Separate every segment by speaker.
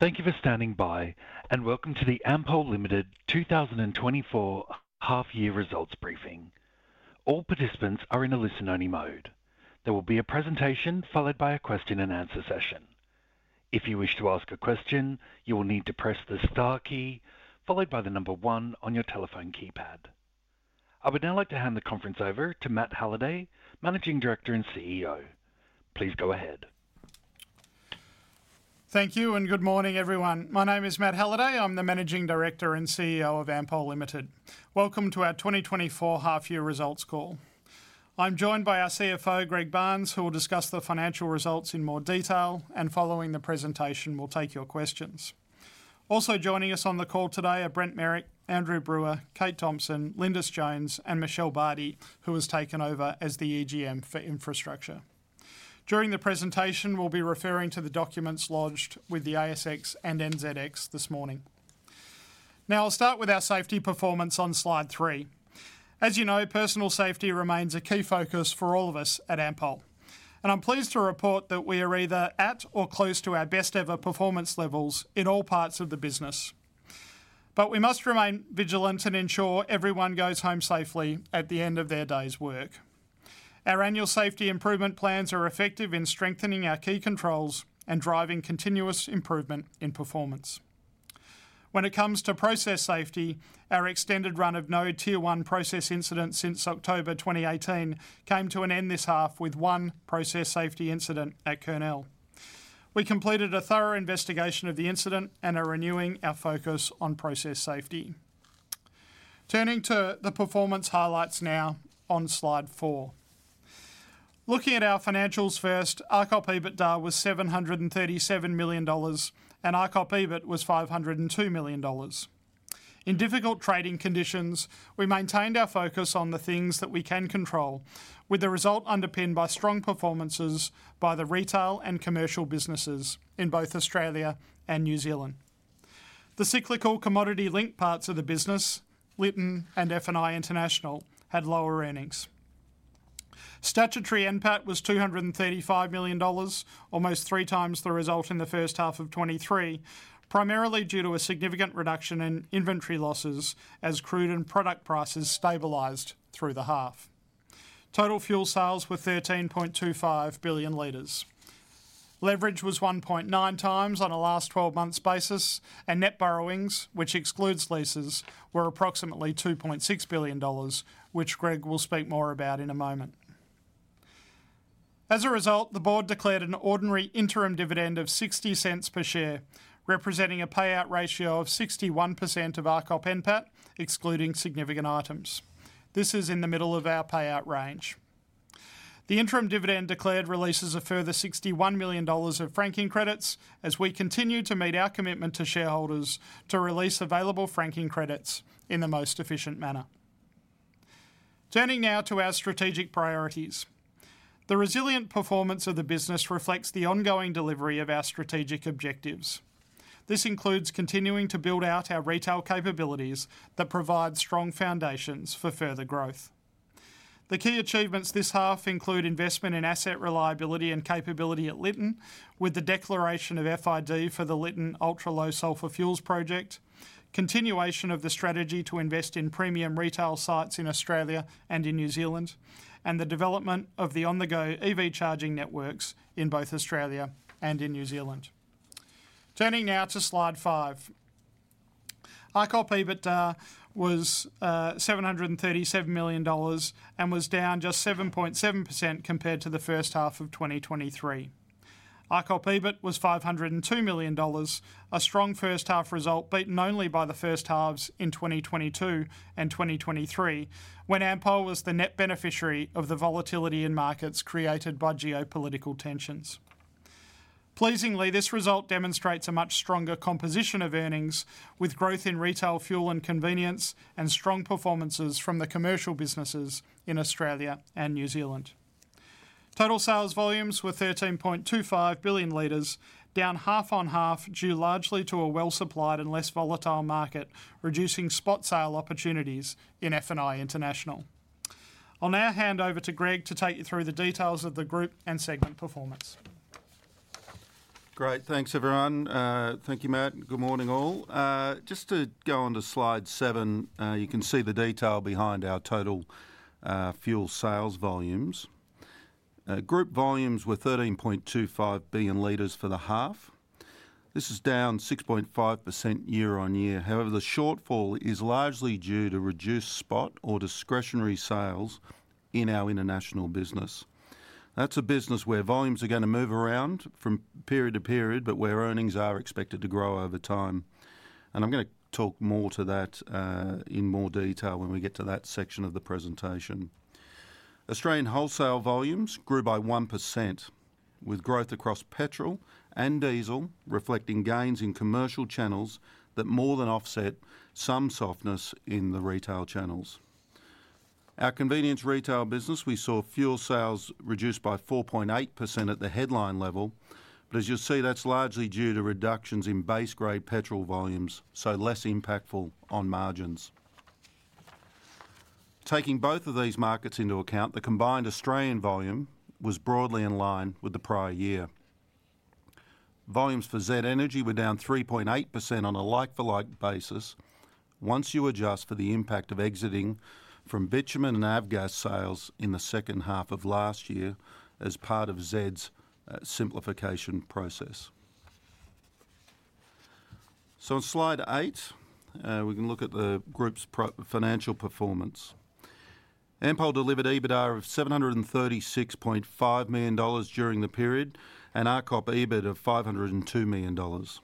Speaker 1: Thank you for standing by, and welcome to the Ampol Limited 2024 half year results briefing. All participants are in a listen-only mode. There will be a presentation, followed by a question and answer session. If you wish to ask a question, you will need to press the star key, followed by the number one on your telephone keypad. I would now like to hand the conference over to Matt Halliday, Managing Director and CEO. Please go ahead.
Speaker 2: Thank you, and good morning, everyone. My name is Matt Halliday. I'm the Managing Director and CEO of Ampol Limited. Welcome to our 2024 half year results call. I'm joined by our CFO, Greg Barnes, who will discuss the financial results in more detail, and following the presentation, we'll take your questions. Also joining us on the call today are Brent Merrick, Andrew Brewer, Kate Thomson, Lindis Jones, and Michelle Bardy, who has taken over as the EGM for infrastructure. During the presentation, we'll be referring to the documents lodged with the ASX and NZX this morning. Now, I'll start with our safety performance on Slide 3. As you know, personal safety remains a key focus for all of us at Ampol, and I'm pleased to report that we are either at or close to our best ever performance levels in all parts of the business. We must remain vigilant and ensure everyone goes home safely at the end of their day's work. Our annual safety improvement plans are effective in strengthening our key controls and driving continuous improvement in performance. When it comes to process safety, our extended run of no Tier One process incidents since October 2018 came to an end this half with one process safety incident at Kurnell. We completed a thorough investigation of the incident and are renewing our focus on process safety. Turning to the performance highlights now on Slide 4. Looking at our financials first, ARCOP EBITDA was 737 million dollars, and ARCOP EBIT was 502 million dollars. In difficult trading conditions, we maintained our focus on the things that we can control, with the result underpinned by strong performances by the retail and commercial businesses in both Australia and New Zealand. The cyclical commodity link parts of the business, Lytton and F&I International, had lower earnings. Statutory NPAT was 235 million dollars, almost 3x times the result in the first half of 2023, primarily due to a significant reduction in inventory losses as crude and product prices stabilized through the half. Total fuel sales were 13.25 billion liters. Leverage was 1.9x on a last 12 months basis, and net borrowings, which excludes leases, were approximately 2.6 billion dollars, which Greg will speak more about in a moment. As a result, the board declared an ordinary interim dividend of 0.60 per share, representing a payout ratio of 61% of ARCOP NPAT, excluding significant items. This is in the middle of our payout range. The interim dividend declared releases a further AUD 61 million of franking credits as we continue to meet our commitment to shareholders to release available franking credits in the most efficient manner. Turning now to our strategic priorities. The resilient performance of the business reflects the ongoing delivery of our strategic objectives. This includes continuing to build out our retail capabilities that provide strong foundations for further growth. The key achievements this half include investment in asset reliability and capability at Lytton, with the declaration of FID for the Lytton Ultra Low Sulphur Fuels Project, continuation of the strategy to invest in premium retail sites in Australia and in New Zealand, and the development of the on-the-go EV charging networks in both Australia and in New Zealand. Turning now to Slide 5. ARCOP EBITDA was AUD 737 million and was down just 7.7% compared to the first half of 2023. ARCOP EBIT was 502 million dollars, a strong first half result, beaten only by the first halves in 2022 and 2023, when Ampol was the net beneficiary of the volatility in markets created by geopolitical tensions. Pleasingly, this result demonstrates a much stronger composition of earnings, with growth in retail fuel and convenience and strong performances from the commercial businesses in Australia and New Zealand. Total sales volumes were 13.25 billion liters, down half on half, due largely to a well-supplied and less volatile market, reducing spot sale opportunities in F&I International. I'll now hand over to Greg to take you through the details of the group and segment performance.
Speaker 3: Great, thanks, everyone. Thank you, Matt, and good morning, all. Just to go on to Slide 7, you can see the detail behind our total fuel sales volumes. Group volumes were 13.25 billion liters for the half. This is down 6.5% year-on-year. However, the shortfall is largely due to reduced spot or discretionary sales in our International business. That's a business where volumes are gonna move around from period to period, but where earnings are expected to grow over time. I'm gonna talk more to that in more detail when we get to that section of the presentation. Australian wholesale volumes grew by 1%, with growth across petrol and diesel, reflecting gains in commercial channels that more than offset some softness in the retail channels. Our Convenience Retail business, we saw fuel sales reduced by 4.8% at the headline level, but as you'll see, that's largely due to reductions in base grade petrol volumes, so less impactful on margins. Taking both of these markets into account, the combined Australian volume was broadly in line with the prior year. Volumes for Z Energy were down 3.8% on a like-for-like basis, once you adjust for the impact of exiting from bitumen and avgas sales in the second half of last year as part of Z's simplification process. So on Slide 8, we can look at the group's pro forma financial performance. Ampol delivered EBITDA of 736.5 million dollars during the period, and ARCOP EBIT of 502 million dollars.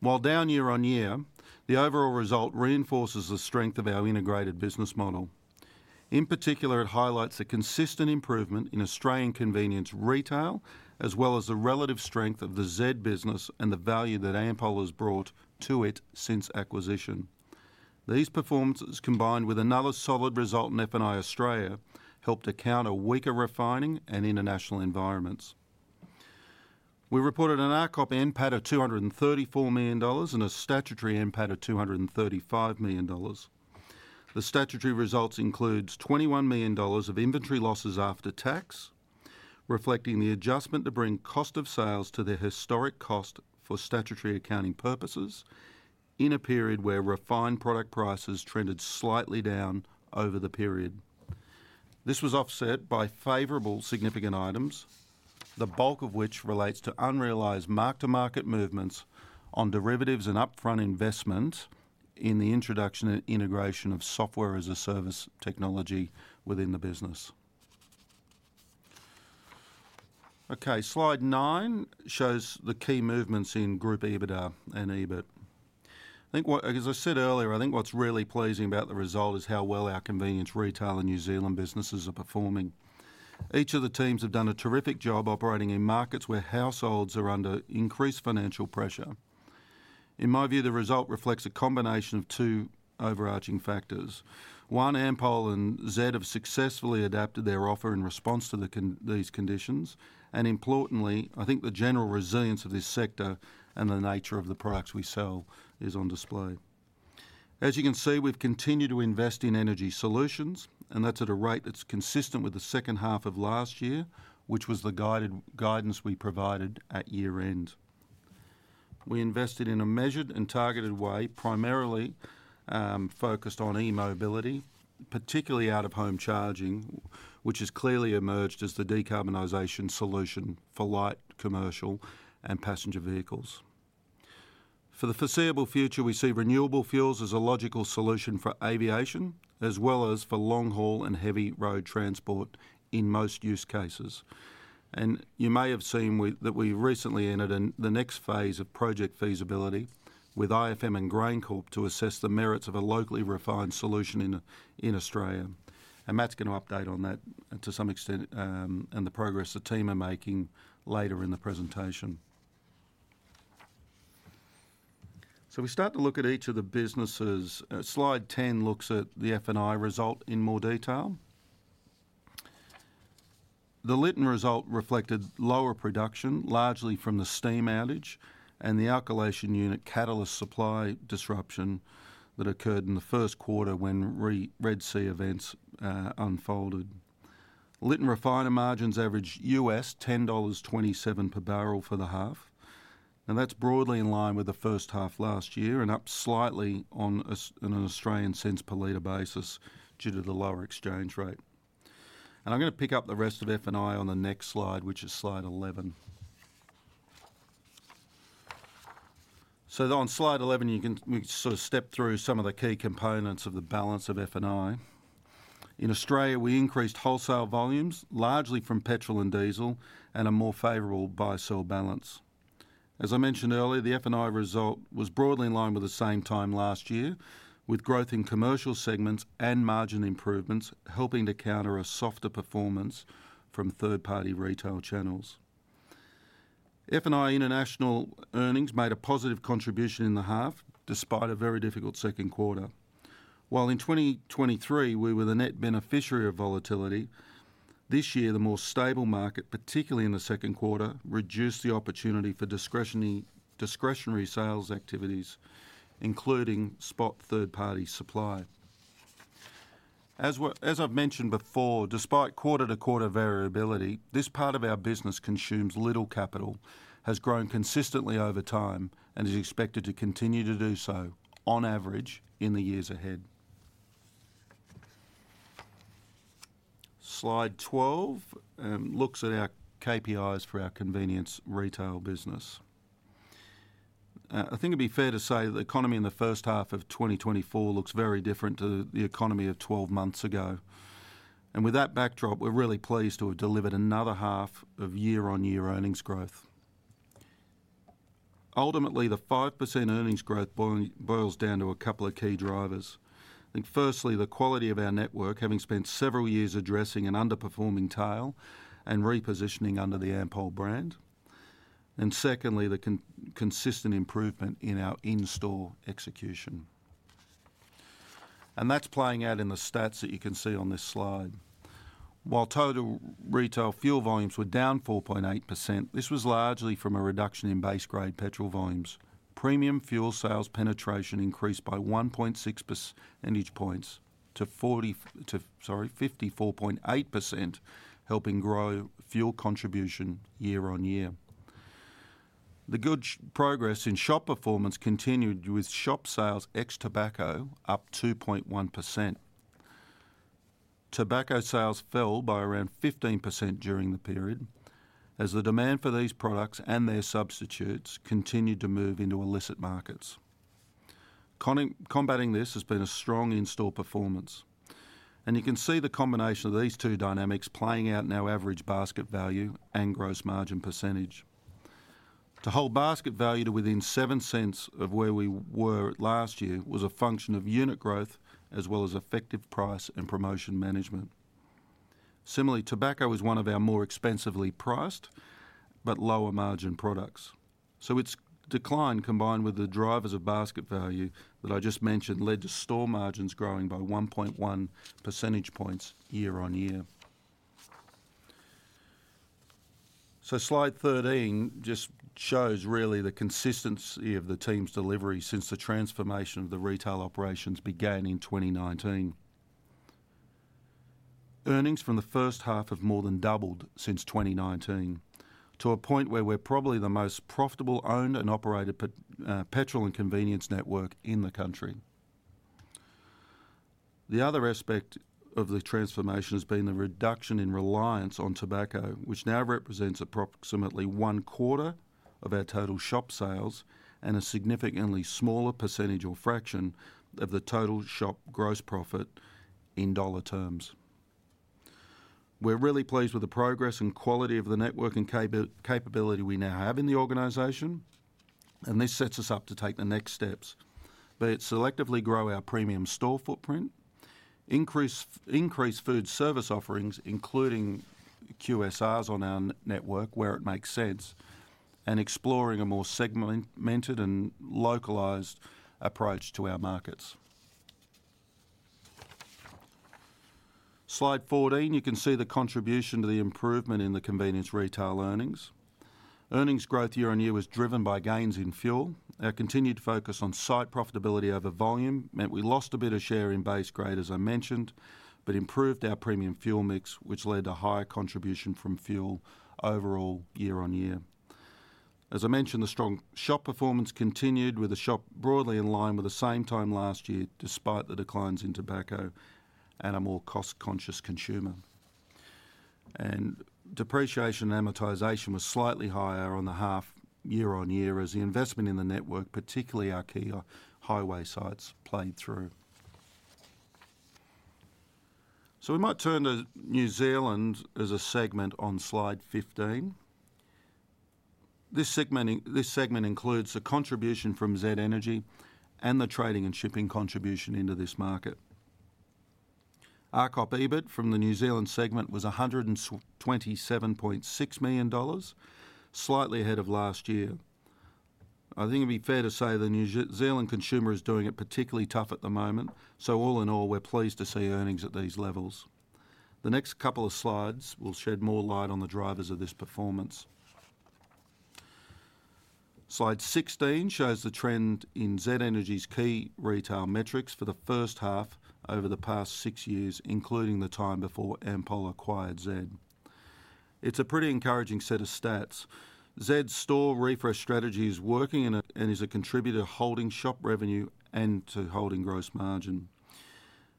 Speaker 3: While down year-on-year, the overall result reinforces the strength of our integrated business model. In particular, it highlights the consistent improvement in Australian Convenience Retail, as well as the relative strength of the Z business and the value that Ampol has brought to it since acquisition. These performances, combined with another solid result in F&I Australia, helped to counter weaker refining and International environments. We reported an ARCOP NPAT of 234 million dollars and a statutory NPAT of 235 million dollars. The statutory results include 21 million dollars of inventory losses after tax, reflecting the adjustment to bring cost of sales to their historic cost for statutory accounting purposes, in a period where refined product prices trended slightly down over the period. This was offset by favorable significant items, the bulk of which relates to unrealized mark-to-market movements on derivatives and upfront investment in the introduction and integration of software as a service technology within the business. Okay, Slide 9 shows the key movements in group EBITDA and EBIT. I think, as I said earlier, I think what's really pleasing about the result is how well our Convenience Retail and New Zealand businesses are performing. Each of the teams have done a terrific job operating in markets where households are under increased financial pressure. In my view, the result reflects a combination of two overarching factors: One, Ampol and Z have successfully adapted their offer in response to these conditions, and importantly, I think the general resilience of this sector and the nature of the products we sell is on display. As you can see, we've continued to invest in energy solutions, and that's at a rate that's consistent with the second half of last year, which was the guidance we provided at year end. We invested in a measured and targeted way, primarily focused on e-mobility, particularly out-of-home charging, which has clearly emerged as the decarbonization solution for light commercial and passenger vehicles. For the foreseeable future, we see renewable fuels as a logical solution for aviation, as well as for long-haul and heavy road transport in most use cases. And you may have seen that we recently entered the next phase of project feasibility with IFM and GrainCorp to assess the merits of a locally refined solution in Australia. And Matt's going to update on that to some extent, and the progress the team are making later in the presentation. So we start to look at each of the businesses. Slide 10 looks at the F&I result in more detail. The Lytton result reflected lower production, largely from the steam outage and the alkylation unit catalyst supply disruption that occurred in the first quarter when Red Sea events unfolded. Lytton refiner margins averaged $10.27 per barrel for the half, and that's broadly in line with the first half last year and up slightly on an Australian cents per liter basis due to the lower exchange rate, and I'm gonna pick up the rest of F&I on the next slide, which is Slide 11. On Slide 11, we sort of step through some of the key components of the balance of F&I. In Australia, we increased wholesale volumes, largely from petrol and diesel, and a more favorable buy/sell balance. As I mentioned earlier, the F&I result was broadly in line with the same time last year, with growth in commercial segments and margin improvements helping to counter a softer performance from third-party retail channels. F&I International earnings made a positive contribution in the half, despite a very difficult second quarter. While in 2023, we were the net beneficiary of volatility, this year, the more stable market, particularly in the second quarter, reduced the opportunity for discretionary sales activities, including spot third-party supply. As we're, as I've mentioned before, despite quarter-to-quarter variability, this part of our business consumes little capital, has grown consistently over time, and is expected to continue to do so on average, in the years ahead. Slide 12 looks at our KPIs for our Convenience Retail business. I think it'd be fair to say the economy in the first half of 2024 looks very different to the economy of 12 months ago. And with that backdrop, we're really pleased to have delivered another half of year-on-year earnings growth. Ultimately, the 5% earnings growth boils down to a couple of key drivers. I think firstly, the quality of our network, having spent several years addressing an underperforming tail and repositioning under the Ampol brand. And secondly, the consistent improvement in our in-store execution. And that's playing out in the stats that you can see on this slide. While total retail fuel volumes were down 4.8%, this was largely from a reduction in base grade petrol volumes. Premium fuel sales penetration increased by 1.6 percentage points to, sorry, 54.8%, helping grow fuel contribution year-on-year. The good progress in shop performance continued, with shop sales ex tobacco up 2.1%. Tobacco sales fell by around 15% during the period, as the demand for these products and their substitutes continued to move into illicit markets. Combating this has been a strong in-store performance, and you can see the combination of these two dynamics playing out in our average basket value and gross margin percentage. To hold basket value to within seven cents of where we were last year, was a function of unit growth as well as effective price and promotion management. Similarly, tobacco was one of our more expensively priced but lower margin products, so its decline, combined with the drivers of basket value that I just mentioned, led to store margins growing by 1.1 percentage points year-on-year. So Slide 13 just shows really the consistency of the team's delivery since the transformation of the retail operations began in 2019. Earnings from the first half have more than doubled since 2019, to a point where we're probably the most profitable owned and operated petrol and convenience network in the country. The other aspect of the transformation has been the reduction in reliance on tobacco, which now represents approximately one quarter of our total shop sales, and a significantly smaller percentage or fraction of the total shop gross profit in dollar terms. We're really pleased with the progress and quality of the network and capability we now have in the organization, and this sets us up to take the next steps. Be it selectively grow our premium store footprint, increase food service offerings, including QSRs on our network, where it makes sense, and exploring a more segmented and localized approach to our markets. Slide 14, you can see the contribution to the improvement in the Convenience Retail earnings. Earnings growth year-on-year was driven by gains in fuel. Our continued focus on site profitability over volume meant we lost a bit of share in base grade, as I mentioned, but improved our premium fuel mix, which led to higher contribution from fuel overall year-on-year. As I mentioned, the strong shop performance continued with the shop broadly in line with the same time last year, despite the declines in tobacco and a more cost-conscious consumer. Depreciation and amortization was slightly higher on the half year-on-year, as the investment in the network, particularly our key highway sites, played through. We might turn to New Zealand as a segment on Slide 15. This segment includes the contribution from Z Energy and the trading and shipping contribution into this market. ARCOP EBIT from the New Zealand segment was 127.6 million dollars, slightly ahead of last year. I think it'd be fair to say, the New Zealand consumer is doing it particularly tough at the moment. All in all, we're pleased to see earnings at these levels. The next couple of slides will shed more light on the drivers of this performance. Slide 16 shows the trend in Z Energy's key retail metrics for the first half over the past six years, including the time before Ampol acquired Z. It's a pretty encouraging set of stats. Z's store refresh strategy is working, and it is a contributor to holding shop revenue and to holding gross margin.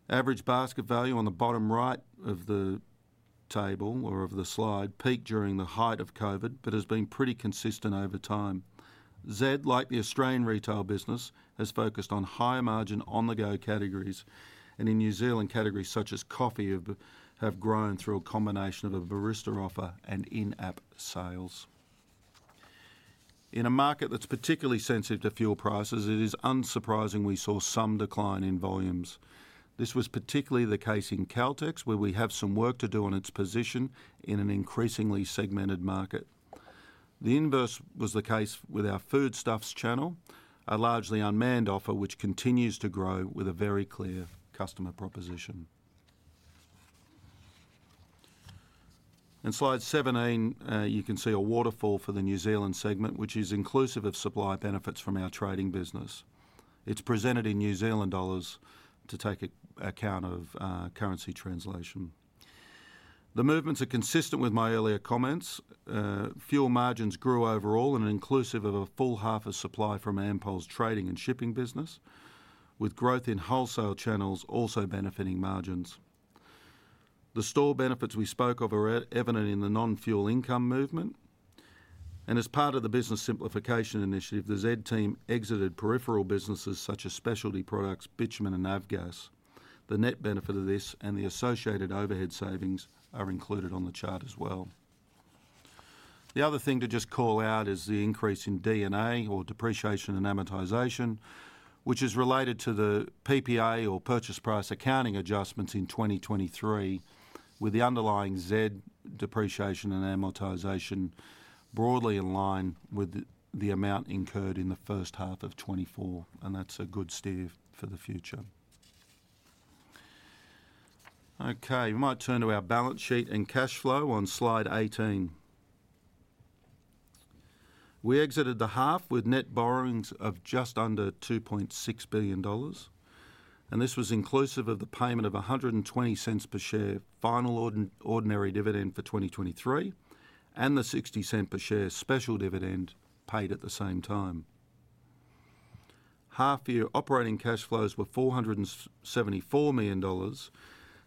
Speaker 3: Average basket value on the bottom right of the table, or of the slide, peaked during the height of COVID, but has been pretty consistent over time. Z, like the Australian retail business, has focused on higher margin, on-the-go categories, and in New Zealand, categories such as coffee have grown through a combination of a barista offer and in-app sales. In a market that's particularly sensitive to fuel prices, it is unsurprising we saw some decline in volumes. This was particularly the case in Caltex, where we have some work to do on its position in an increasingly segmented market. The inverse was the case with our Foodstuffs channel, a largely unmanned offer, which continues to grow with a very clear customer proposition. In Slide 17, you can see a waterfall for the New Zealand segment, which is inclusive of supply benefits from our trading business. It's presented in New Zealand dollars to take account of currency translation. The movements are consistent with my earlier comments. Fuel margins grew overall and are inclusive of a full half of supply from Ampol's trading and shipping business, with growth in wholesale channels also benefiting margins. The store benefits we spoke of are evident in the non-fuel income movement. As part of the business simplification initiative, the Z team exited peripheral businesses such as specialty products, bitumen and avgas. The net benefit of this, and the associated overhead savings, are included on the chart as well. The other thing to just call out is the increase in D&A, or depreciation and amortization, which is related to the PPA, or purchase price accounting, adjustments in 2023, with the underlying Z depreciation and amortization broadly in line with the amount incurred in the first half of 2024, and that's a good steer for the future. Okay, we might turn to our balance sheet and cash flow on Slide 18. We exited the half with net borrowings of just under 2.6 billion dollars, and this was inclusive of the payment of 1.20 per share final ordinary dividend for 2023, and the 0.60 per share special dividend paid at the same time. Half year operating cash flows were 474 million dollars,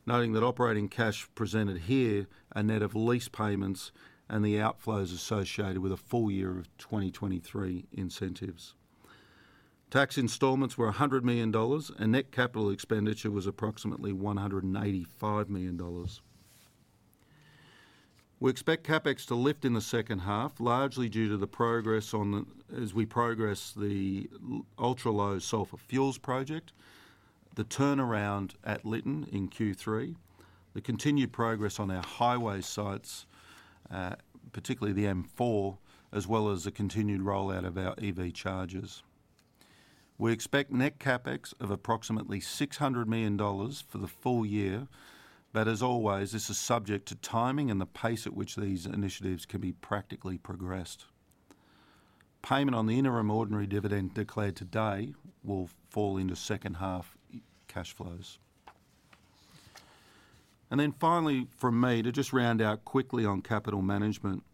Speaker 3: noting that operating cash presented here are net of lease payments and the outflows associated with a full year of 2023 incentives. Tax installments were 100 million dollars, and net capital expenditure was approximately 185 million dollars. We expect CapEx to lift in the second half, largely due to the progress on the ultra-low sulfur fuels project, the turnaround at Lytton in Q3, the continued progress on our highway sites, particularly the M4, as well as the continued rollout of our EV chargers. We expect net CapEx of approximately 600 million dollars for the full year, but as always, this is subject to timing and the pace at which these initiatives can be practically progressed. Payment on the interim ordinary dividend declared today will fall into second half cash flows. And then finally, from me, to just round out quickly on capital management.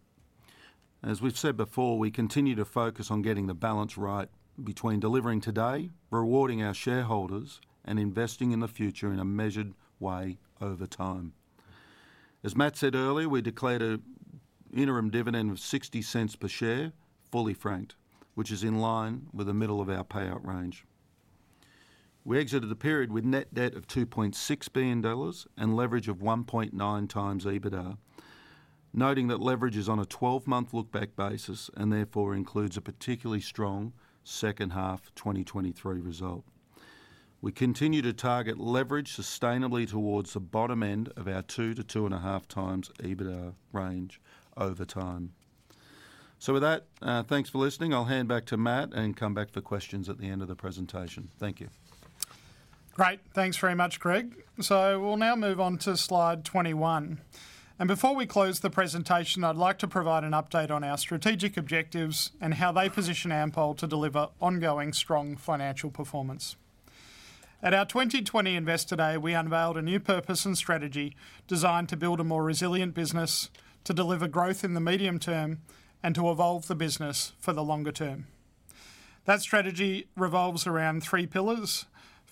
Speaker 3: As we've said before, we continue to focus on getting the balance right between delivering today, rewarding our shareholders, and investing in the future in a measured way over time. As Matt said earlier, we declared an interim dividend of 0.60 per share, fully franked, which is in line with the middle of our payout range. We exited the period with net debt of 2.6 billion dollars and leverage of 1.9x EBITDA, noting that leverage is on a 12-month look back basis and therefore includes a particularly strong second half 2023 result. We continue to target leverage sustainably towards the bottom end of our 2x-2.5x EBITDA range over time. So with that, thanks for listening. I'll hand back to Matt and come back for questions at the end of the presentation. Thank you.
Speaker 2: Great. Thanks very much, Greg. So we'll now move on to Slide 21, and before we close the presentation, I'd like to provide an update on our strategic objectives and how they position Ampol to deliver ongoing strong financial performance. At our 2020 Investor Day, we unveiled a new purpose and strategy designed to build a more resilient business, to deliver growth in the medium term, and to evolve the business for the longer term. That strategy revolves around three pillars: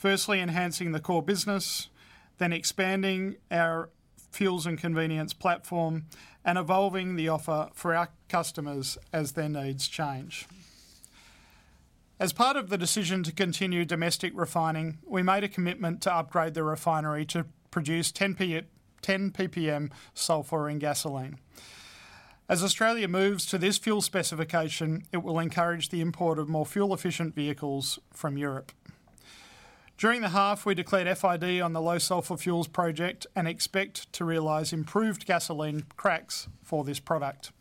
Speaker 2: firstly, enhancing the core business, then expanding our fuels and convenience platform, and evolving the offer for our customers as their needs change. As part of the decision to continue domestic refining, we made a commitment to upgrade the refinery to produce 10 PPM sulfur in gasoline. As Australia moves to this fuel specification, it will encourage the import of more fuel-efficient vehicles from Europe. During the half, we declared FID on the low sulfur fuels project and expect to realize improved gasoline cracks for this product.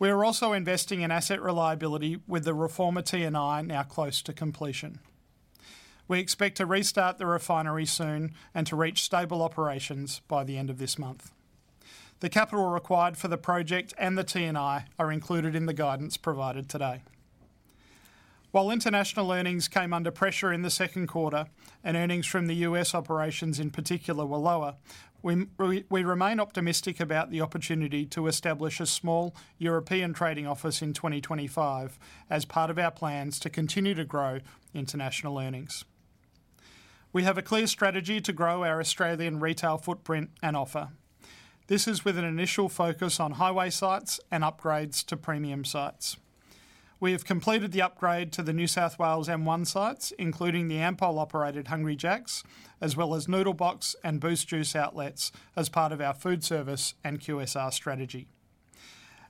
Speaker 2: We are also investing in asset reliability with the reformer T&I now close to completion. We expect to restart the refinery soon and to reach stable operations by the end of this month. The capital required for the project and the T&I are included in the guidance provided today. While International earnings came under pressure in the second quarter and earnings from the U.S. operations in particular were lower, we remain optimistic about the opportunity to establish a small European trading office in 2025 as part of our plans to continue to grow International earnings. We have a clear strategy to grow our Australian retail footprint and offer. This is with an initial focus on highway sites and upgrades to premium sites. We have completed the upgrade to the New South Wales M1 sites, including the Ampol operated Hungry Jack's, as well as Noodle Box and Boost Juice outlets as part of our food service and QSR strategy.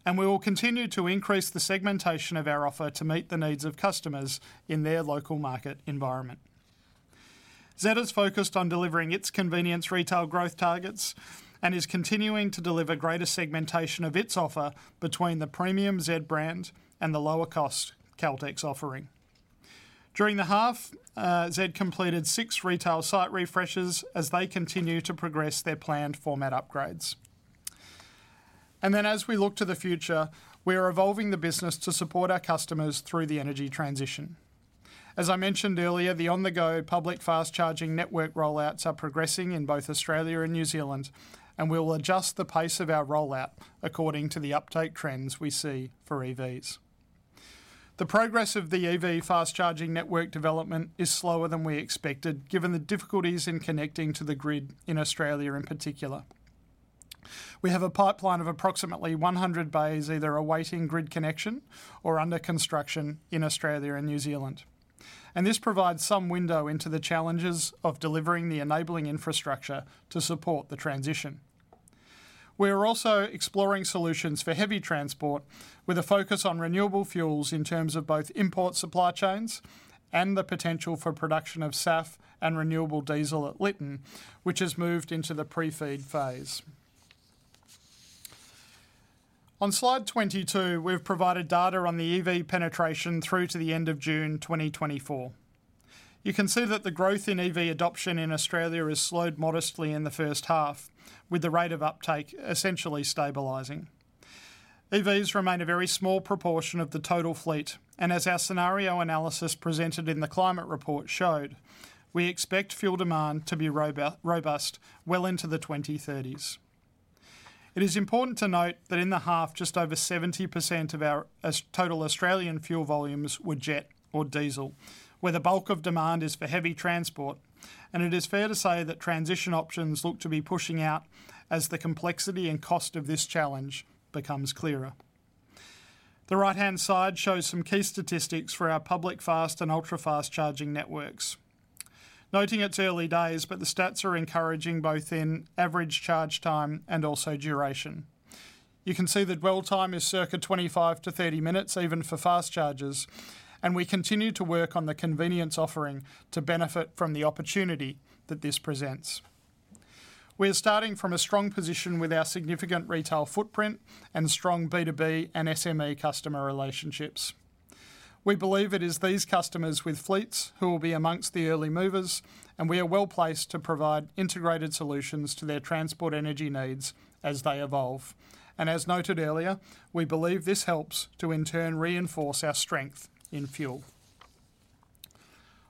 Speaker 2: And we will continue to increase the segmentation of our offer to meet the needs of customers in their local market environment. Z has focused on delivering its Convenience Retail growth targets and is continuing to deliver greater segmentation of its offer between the premium Z brand and the lower cost Caltex offering. During the half, Z completed six retail site refreshes as they continue to progress their planned format upgrades. And then, as we look to the future, we are evolving the business to support our customers through the energy transition. As I mentioned earlier, the On the Go public fast charging network rollouts are progressing in both Australia and New Zealand, and we will adjust the pace of our rollout according to the uptake trends we see for EVs. The progress of the EV fast charging network development is slower than we expected, given the difficulties in connecting to the grid in Australia, in particular. We have a pipeline of approximately 100 bays, either awaiting grid connection or under construction in Australia and New Zealand, and this provides some window into the challenges of delivering the enabling infrastructure to support the transition. We are also exploring solutions for heavy transport with a focus on renewable fuels in terms of both import supply chains and the potential for production of SAF and renewable diesel at Lytton, which has moved into the pre-FID phase. On Slide 22, we've provided data on the EV penetration through to the end of June 2024. You can see that the growth in EV adoption in Australia has slowed modestly in the first half, with the rate of uptake essentially stabilizing. EVs remain a very small proportion of the total fleet, and as our scenario analysis presented in the climate report showed, we expect fuel demand to be robust well into the 2030s. It is important to note that in the half, just over 70% of our total Australian fuel volumes were jet or diesel, where the bulk of demand is for heavy transport, and it is fair to say that transition options look to be pushing out as the complexity and cost of this challenge becomes clearer. The right-hand side shows some key statistics for our public, fast, and ultra-fast charging networks. Noting it's early days, but the stats are encouraging, both in average charge time and also duration. You can see that dwell time is circa 25 minutes-30 minutes, even for fast chargers, and we continue to work on the convenience offering to benefit from the opportunity that this presents. We are starting from a strong position with our significant retail footprint and strong B2B and SME customer relationships. We believe it is these customers with fleets who will be among the early movers, and we are well-placed to provide integrated solutions to their transport energy needs as they evolve, and as noted earlier, we believe this helps to, in turn, reinforce our strength in fuel.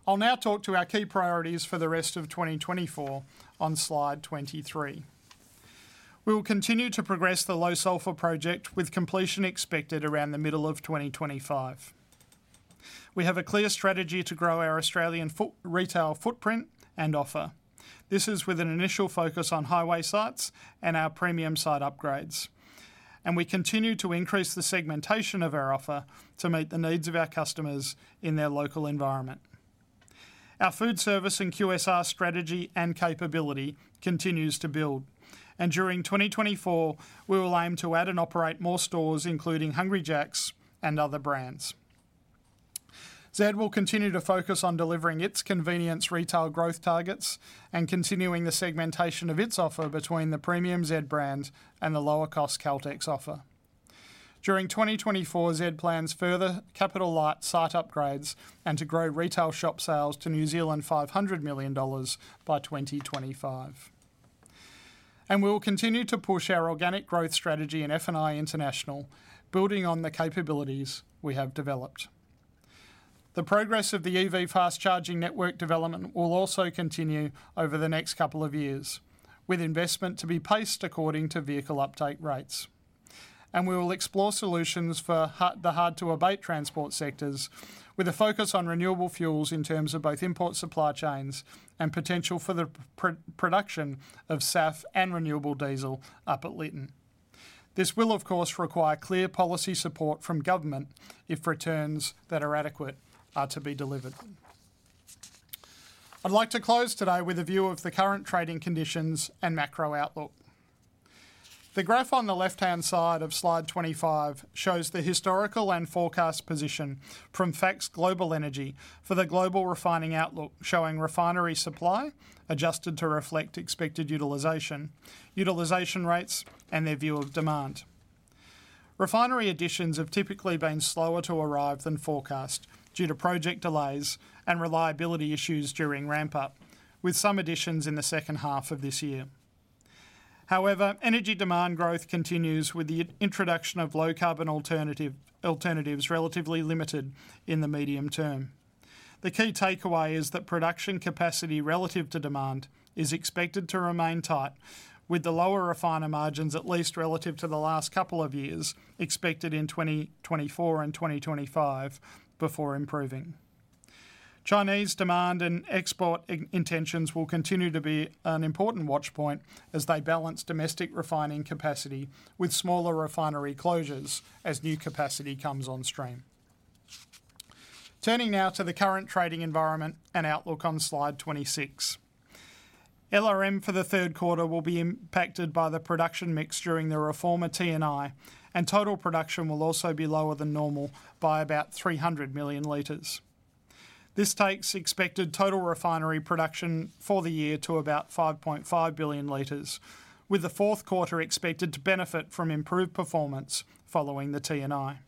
Speaker 2: I'll now talk to our key priorities for the rest of 2024 on Slide 23. We will continue to progress the low sulfur project, with completion expected around the middle of 2025. We have a clear strategy to grow our Australian footprint and offer. This is with an initial focus on highway sites and our premium site upgrades, and we continue to increase the segmentation of our offer to meet the needs of our customers in their local environment. Our food service and QSR strategy and capability continues to build, and during 2024, we will aim to add and operate more stores, including Hungry Jack's and other brands. Z will continue to focus on delivering its Convenience Retail growth targets and continuing the segmentation of its offer between the premium Z brand and the lower-cost Caltex offer. During 2024, Z plans further capital light site upgrades and to grow retail shop sales to 500 million New Zealand dollars by 2025. And we will continue to push our organic growth strategy in F&I International, building on the capabilities we have developed. The progress of the EV fast charging network development will also continue over the next couple of years, with investment to be paced according to vehicle uptake rates. And we will explore solutions for the hard-to-abate transport sectors, with a focus on renewable fuels in terms of both import supply chains and potential for the production of SAF and renewable diesel up at Lytton. This will, of course, require clear policy support from government if returns that are adequate are to be delivered. I'd like to close today with a view of the current trading conditions and macro outlook. The graph on the left-hand side of Slide 25 shows the historical and forecast position from Facts Global Energy for the global refining outlook, showing refinery supply adjusted to reflect expected utilization, utilization rates, and their view of demand. Refinery additions have typically been slower to arrive than forecast due to project delays and reliability issues during ramp-up, with some additions in the second half of this year. However, energy demand growth continues, with the introduction of low-carbon alternatives relatively limited in the medium term. The key takeaway is that production capacity relative to demand is expected to remain tight, with lower refiner margins, at least relative to the last couple of years, expected in 2024 and 2025 before improving. Chinese demand and export intentions will continue to be an important watch point as they balance domestic refining capacity with smaller refinery closures as new capacity comes on stream. Turning now to the current trading environment and outlook on Slide 26. LRM for the third quarter will be impacted by the production mix during the reformer T&I, and total production will also be lower than normal by about 300 million liters. This takes expected total refinery production for the year to about 5.5 billion liters, with the fourth quarter expected to benefit from improved performance following the T&I.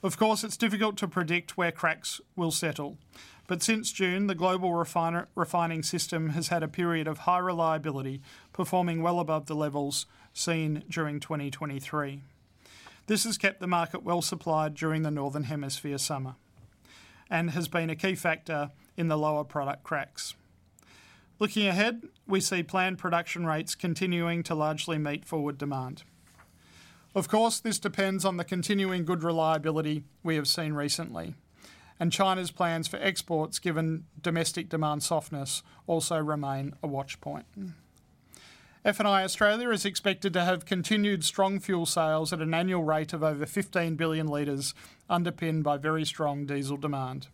Speaker 2: Of course, it's difficult to predict where cracks will settle, but since June, the global refining system has had a period of high reliability, performing well above the levels seen during 2023. This has kept the market well-supplied during the Northern Hemisphere summer and has been a key factor in the lower product cracks. Looking ahead, we see planned production rates continuing to largely meet forward demand. Of course, this depends on the continuing good reliability we have seen recently, and China's plans for exports, given domestic demand softness, also remain a watch point. F&I Australia is expected to have continued strong fuel sales at an annual rate of over 15 billion liters, underpinned by very strong diesel demand.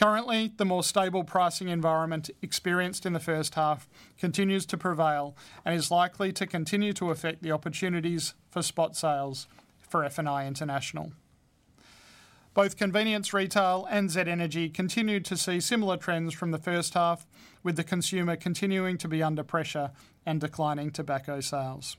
Speaker 2: Currently, the more stable pricing environment experienced in the first half continues to prevail and is likely to continue to affect the opportunities for spot sales for F&I International. Both Convenience Retail and Z Energy continued to see similar trends from the first half, with the consumer continuing to be under pressure and declining tobacco sales.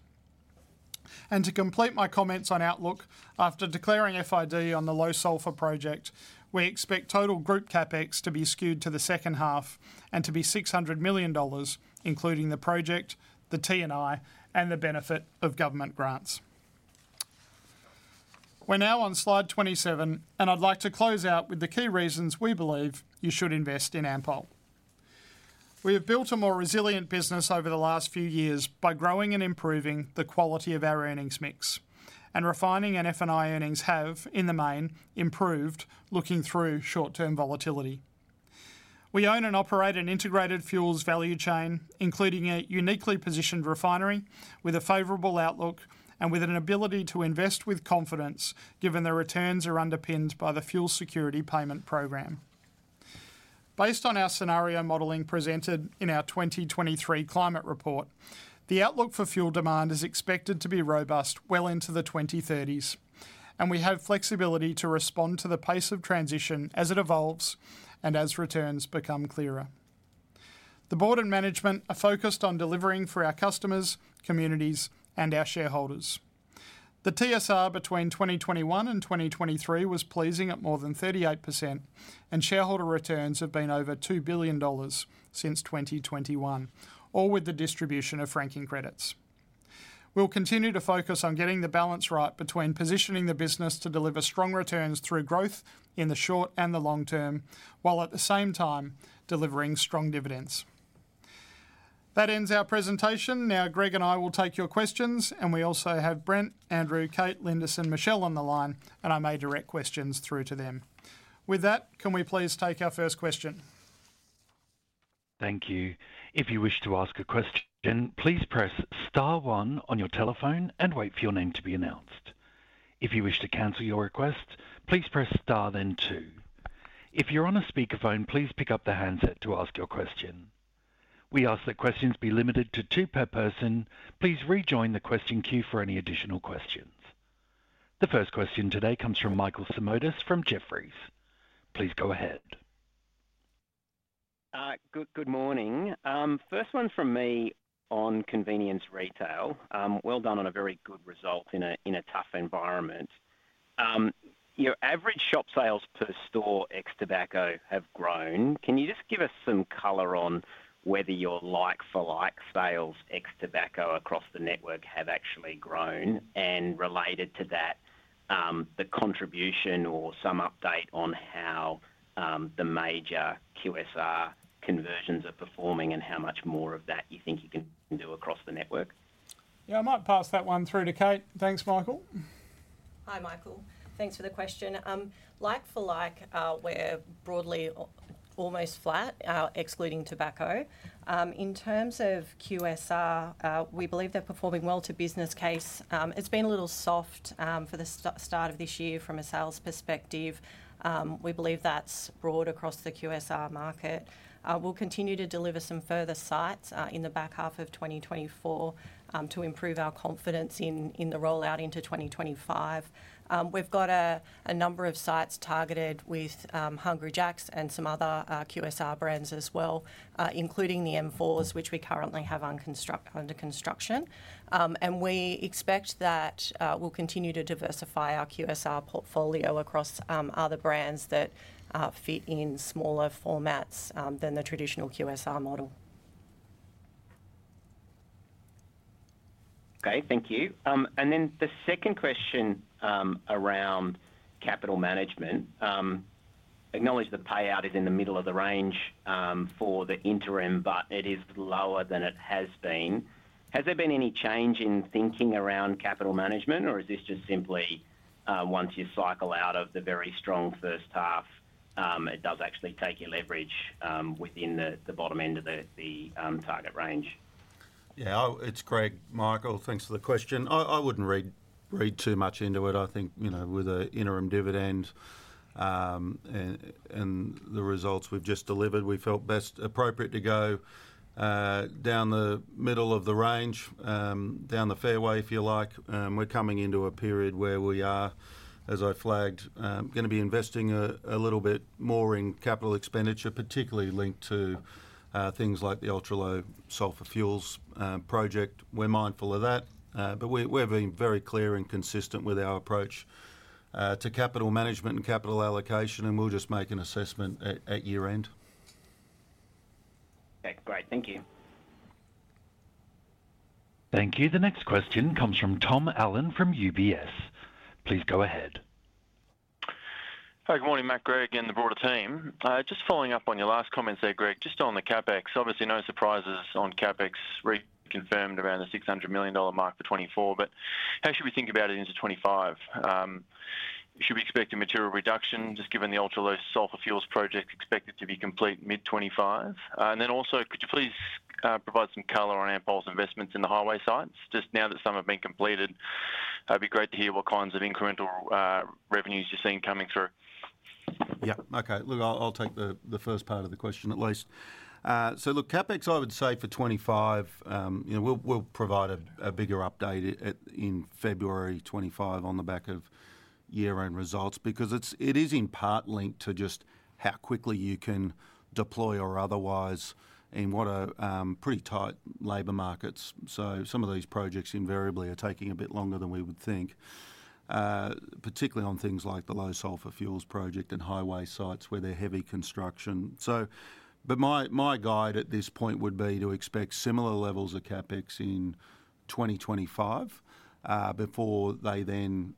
Speaker 2: And to complete my comments on outlook, after declaring FID on the low sulfur project, we expect total group CapEx to be skewed to the second half and to be 600 million dollars, including the project, the T&I, and the benefit of government grants. We're now on Slide 27, and I'd like to close out with the key reasons we believe you should invest in Ampol. We have built a more resilient business over the last few years by growing and improving the quality of our earnings mix, and Refining and F&I earnings have, in the main, improved looking through short-term volatility. We own and operate an integrated fuels value chain, including a uniquely positioned refinery with a favorable outlook and with an ability to invest with confidence, given the returns are underpinned by the fuel security payment program. Based on our scenario modeling presented in our 2023 climate report, the outlook for fuel demand is expected to be robust well into the 2030s, and we have flexibility to respond to the pace of transition as it evolves and as returns become clearer. The board and management are focused on delivering for our customers, communities, and our shareholders. The TSR between 2021 and 2023 was pleasing at more than 38%, and shareholder returns have been over 2 billion dollars since 2021, all with the distribution of franking credits. We'll continue to focus on getting the balance right between positioning the business to deliver strong returns through growth in the short and the long term, while at the same time delivering strong dividends. That ends our presentation. Now, Greg and I will take your questions, and we also have Brent, Andrew, Kate, Lindis, and Michelle on the line, and I may direct questions through to them. With that, can we please take our first question?
Speaker 1: Thank you. If you wish to ask a question, please press star one on your telephone and wait for your name to be announced. If you wish to cancel your request, please press star, then two. If you're on a speakerphone, please pick up the handset to ask your question. We ask that questions be limited to two per person. Please rejoin the question queue for any additional questions. The first question today comes from Michael Simotas from Jefferies. Please go ahead.
Speaker 4: Good morning. First one from me on Convenience Retail. Well done on a very good result in a tough environment. Your average shop sales per store, ex tobacco, have grown. Can you just give us some color on whether your like-for-like sales, ex tobacco, across the network have actually grown? And related to that, the contribution or some update on how the major QSR conversions are performing and how much more of that you think you can do across the network?
Speaker 2: Yeah, I might pass that one through to Kate. Thanks, Michael.
Speaker 5: Hi, Michael. Thanks for the question. Like for like, we're broadly almost flat, excluding tobacco. In terms of QSR, we believe they're performing well to business case. It's been a little soft for the start of this year from a sales perspective. We believe that's broad across the QSR market. We'll continue to deliver some further sites in the back half of 2024 to improve our confidence in the rollout into 2025. We've got a number of sites targeted with Hungry Jack's and some other QSR brands as well, including the M4s, which we currently have under construction. And we expect that we'll continue to diversify our QSR portfolio across other brands that fit in smaller formats than the traditional QSR model.
Speaker 4: Okay. Thank you. And then the second question around capital management. Acknowledge the payout is in the middle of the range for the interim, but it is lower than it has been. Has there been any change in thinking around capital management, or is this just simply once you cycle out of the very strong first half, it does actually take your leverage within the bottom end of the target range?
Speaker 3: Yeah. Oh, it's Greg, Michael. Thanks for the question. I wouldn't read too much into it. I think, you know, with the interim dividend, and the results we've just delivered, we felt best appropriate to go down the middle of the range, down the fairway, if you like. We're coming into a period where we are, as I flagged, gonna be investing a little bit more in capital expenditure, particularly linked to things like the ultra-low sulfur fuels project. We're mindful of that, but we're being very clear and consistent with our approach to capital management and capital allocation, and we'll just make an assessment at year-end.
Speaker 4: Okay, great. Thank you.
Speaker 1: Thank you. The next question comes from Tom Allen, from UBS. Please go ahead.
Speaker 6: Hi, good morning, Matt, Greg, and the broader team. Just following up on your last comments there, Greg, just on the CapEx, obviously no surprises on CapEx reconfirmed around the 600 million dollar mark for 2024, but how should we think about it into 2025? Should we expect a material reduction just given the ultra low sulfur fuels project expected to be complete mid-2025? And then also, could you please provide some color on Ampol's investments in the highway sites, just now that some have been completed, it'd be great to hear what kinds of incremental revenues you're seeing coming through?
Speaker 3: Yeah. Okay, look, I'll take the first part of the question, at least. So look, CapEx, I would say for 2025, you know, we'll provide a bigger update at in February 2025 on the back of year-end results, because it is in part linked to just how quickly you can deploy or otherwise in what are pretty tight labor markets. So some of these projects invariably are taking a bit longer than we would think, particularly on things like the low sulfur fuels project and highway sites where there are heavy construction. So, but my guide at this point would be to expect similar levels of CapEx in 2025, before they then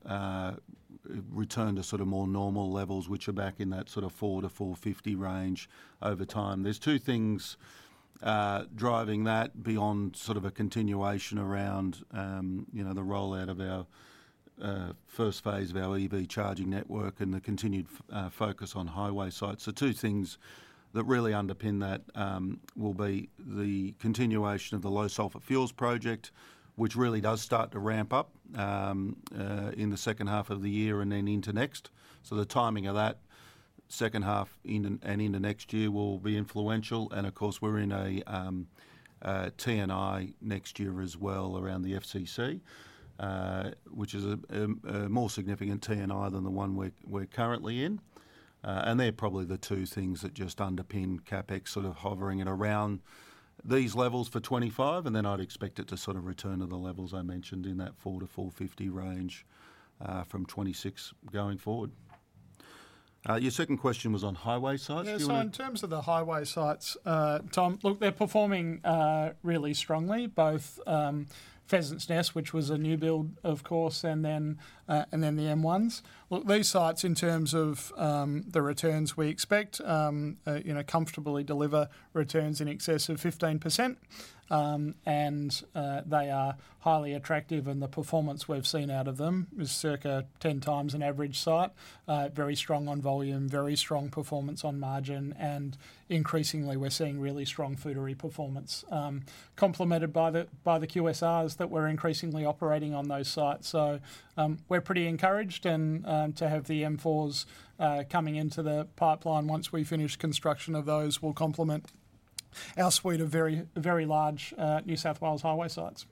Speaker 3: return to sort of more normal levels, which are back in that sort of 400-450 range over time. There's two things driving that beyond sort of a continuation around, you know, the rollout of our first phase of our EV charging network and the continued focus on highway sites. So two things that really underpin that will be the continuation of the low sulfur fuels project, which really does start to ramp up in the second half of the year and then into next. So the timing of that second half in and into next year will be influential, and of course, we're in a T&I next year as well around the FCC, which is a more significant T&I than the one we're currently in. And they're probably the two things that just underpin CapEx, sort of hovering at around these levels for 2025, and then I'd expect it to sort of return to the levels I mentioned in that 400-450 range, from 2026 going forward. Your second question was on highway sites.
Speaker 2: Yeah, so in terms of the highway sites, Tom, look, they're performing really strongly, both Pheasants Nest, which was a new build, of course, and then the M1s. Look, these sites, in terms of the returns we expect, you know, comfortably deliver returns in excess of 15%. They are highly attractive, and the performance we've seen out of them is circa 10x an average site. Very strong on volume, very strong performance on margin, and increasingly we're seeing really strong food offer performance, complemented by the QSRs that we're increasingly operating on those sites. So, we're pretty encouraged and to have the M4s coming into the pipeline once we finish construction of those, will complement our suite of very, very large New South Wales highway sites.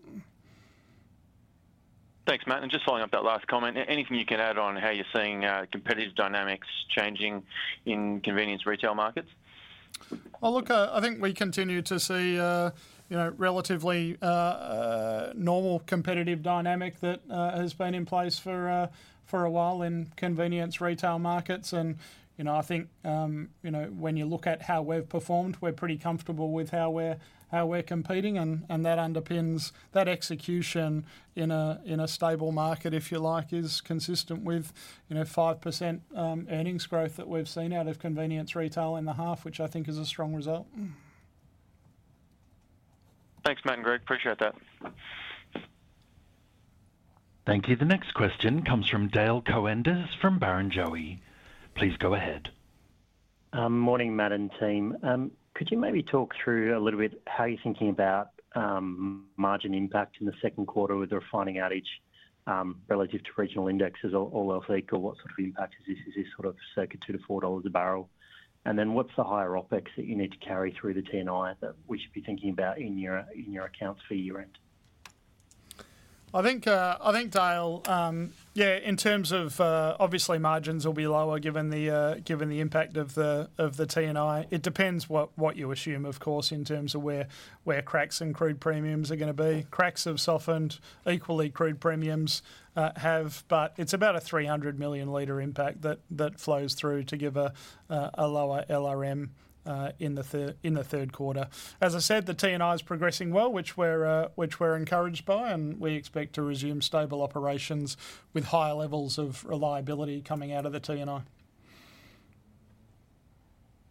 Speaker 6: Thanks, Matt. And just following up that last comment, anything you can add on how you're seeing competitive dynamics changing in Convenience Retail markets?
Speaker 2: Well, look, I think we continue to see, you know, relatively normal competitive dynamic that has been in place for a while in Convenience Retail markets. And, you know, I think, you know, when you look at how we've performed, we're pretty comfortable with how we're competing, and that underpins that execution in a stable market, if you like, is consistent with, you know, 5% earnings growth that we've seen out of Convenience Retail in the half, which I think is a strong result.
Speaker 6: Thanks, Matt and Greg. Appreciate that.
Speaker 1: Thank you. The next question comes from Dale Koenders from Barrenjoey. Please go ahead.
Speaker 7: Morning, Matt and team. Could you maybe talk through a little bit how you're thinking about margin impact in the second quarter with the refining outage relative to regional indexes or LRM, or what sort of impact is this? Is this sort of circa $2-$4 a barrel? Then, what's the higher OpEx that you need to carry through the T&I that we should be thinking about in your accounts for year-end?
Speaker 2: I think, Dale, yeah, in terms of, obviously margins will be lower, given the impact of the T&I. It depends what you assume, of course, in terms of where cracks and crude premiums are gonna be. Cracks have softened. Equally, crude premiums have, but it's about a 300 million liter impact that flows through to give a lower LRM in the third quarter. As I said, the T&I is progressing well, which we're encouraged by, and we expect to resume stable operations with higher levels of reliability coming out of the T&I.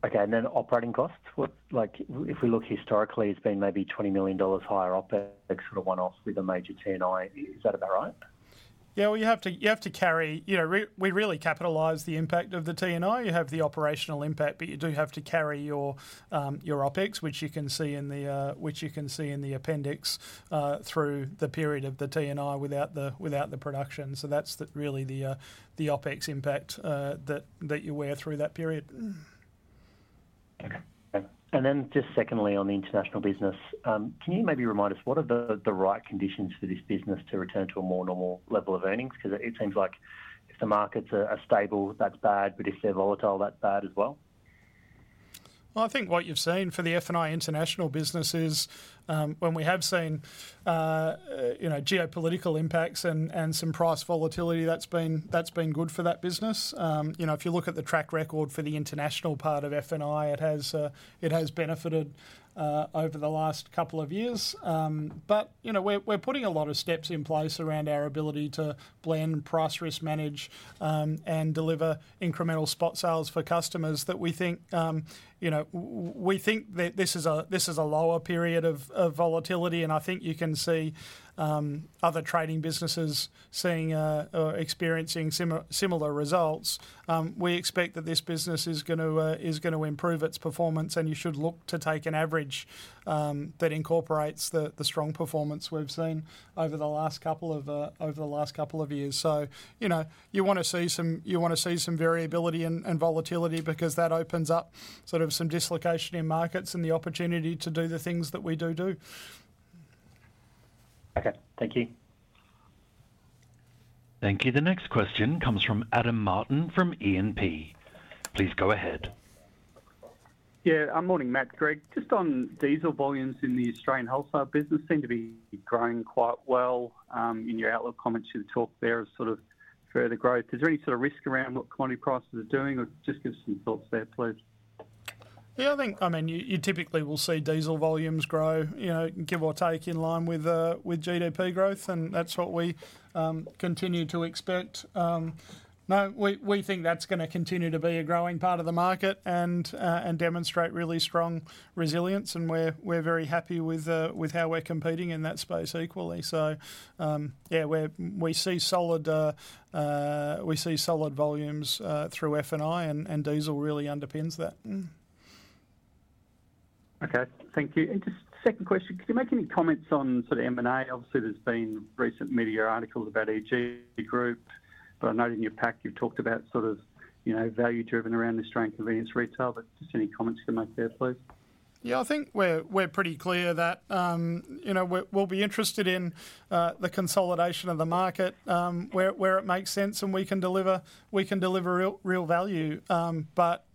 Speaker 7: Okay, and then operating costs, like, if we look historically, it's been maybe 20 million dollars higher OpEx, sort of one-off with a major T&I. Is that about right?
Speaker 2: Yeah, well, you have to, you have to carry. You know, we really capitalize the impact of the T&I. You have the operational impact, but you do have to carry your OpEx, which you can see in the appendix, through the period of the T&I without the production. So that's really the OpEx impact that you wear through that period.
Speaker 7: Okay. And then just secondly, on the International business, can you maybe remind us, what are the right conditions for this business to return to a more normal level of earnings? Because it seems like if the markets are stable, that's bad, but if they're volatile, that's bad as well.
Speaker 2: I think what you've seen for the F&I International business is, when we have seen, you know, geopolitical impacts and some price volatility, that's been good for that business. You know, if you look at the track record for the international part of F&I, it has benefited over the last couple of years. But, you know, we're putting a lot of steps in place around our ability to blend, price risk, manage, and deliver incremental spot sales for customers that we think, you know, we think that this is a lower period of volatility, and I think you can see other trading businesses seeing or experiencing similar results. We expect that this business is gonna improve its performance, and you should look to take an average that incorporates the strong performance we've seen over the last couple of years. You know, you wanna see some variability and volatility because that opens up sort of some dislocation in markets and the opportunity to do the things that we do.
Speaker 7: Okay. Thank you.
Speaker 1: Thank you. The next question comes from Adam Martin from E&P. Please go ahead.
Speaker 8: Yeah, morning, Matt, Greg. Just on diesel volumes in the Australian wholesale business seem to be growing quite well. In your outlook comments, you talked there as sort of further growth. Is there any sort of risk around what commodity prices are doing, or just give us some thoughts there, please?
Speaker 2: Yeah, I think, I mean, you typically will see diesel volumes grow, you know, give or take, in line with with GDP growth, and that's what we continue to expect. No, we think that's gonna continue to be a growing part of the market and and demonstrate really strong resilience, and we're very happy with with how we're competing in that space equally. So, yeah, we see solid volumes through F&I, and diesel really underpins that.
Speaker 8: Okay. Thank you. And just second question, could you make any comments on sort of M&A? Obviously, there's been recent media articles about EG Group, but I know in your pack, you've talked about sort of, you know, value driven around Australian Convenience Retail, but just any comments you can make there, please?
Speaker 2: Yeah, I think we're pretty clear that, you know, we'll be interested in the consolidation of the market, where it makes sense, and we can deliver real value.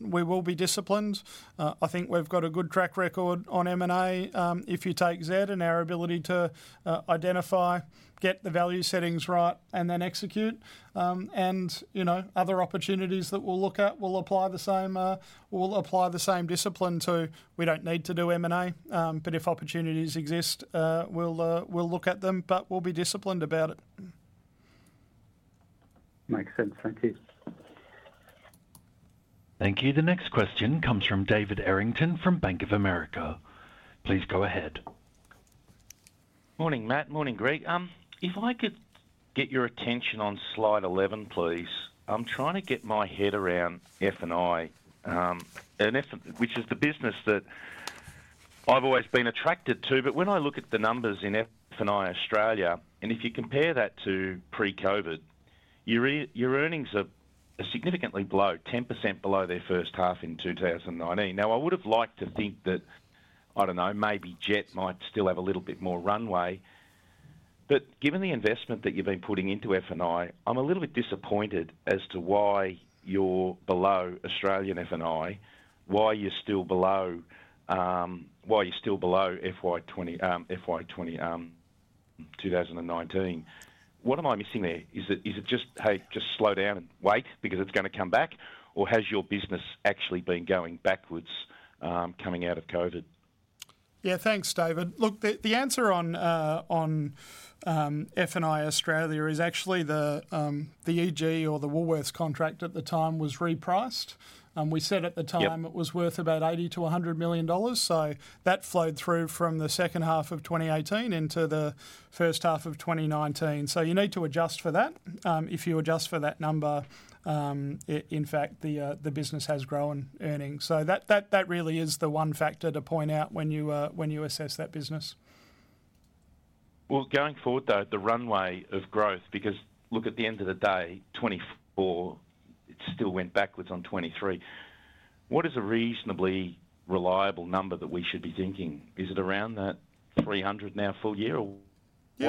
Speaker 2: We will be disciplined. I think we've got a good track record on M&A, if you take Z and our ability to identify, get the value settings right, and then execute. You know, other opportunities that we'll look at, we'll apply the same discipline to. We don't need to do M&A, but if opportunities exist, we'll look at them, but we'll be disciplined about it.
Speaker 8: Makes sense. Thank you.
Speaker 1: Thank you. The next question comes from David Errington from Bank of America. Please go ahead.
Speaker 9: Morning, Matt. Morning, Greg. If I could get your attention on Slide 11, please. I'm trying to get my head around F&I, and F- which is the business that I've always been attracted to. But when I look at the numbers in F&I Australia, and if you compare that to pre-COVID, your earnings are significantly below, 10% below their first half in 2019. Now, I would have liked to think that, I don't know, maybe jet might still have a little bit more runway. But given the investment that you've been putting into F&I, I'm a little bit disappointed as to why you're below Australian F&I, why you're still below, why you're still below FY 2019. What am I missing there? Is it, is it just, "Hey, just slow down and wait because it's gonna come back," or has your business actually been going backwards, coming out of COVID?
Speaker 2: Yeah. Thanks, David. Look, the answer on F&I Australia is actually the EG or the Woolworths contract at the time was repriced. We said at the time...
Speaker 9: Yep
Speaker 2: It was worth about AUD 80 million-AUD 100 million, so that flowed through from the second half of 2018 into the first half of 2019. So you need to adjust for that. If you adjust for that number, in fact, the business has grown earnings. So that really is the one factor to point out when you assess that business.
Speaker 9: Going forward, though, the runway of growth, because, look, at the end of the day, 2024, it still went backwards on 2023. What is a reasonably reliable number that we should be thinking? Is it around that 300 now full year, or what would be-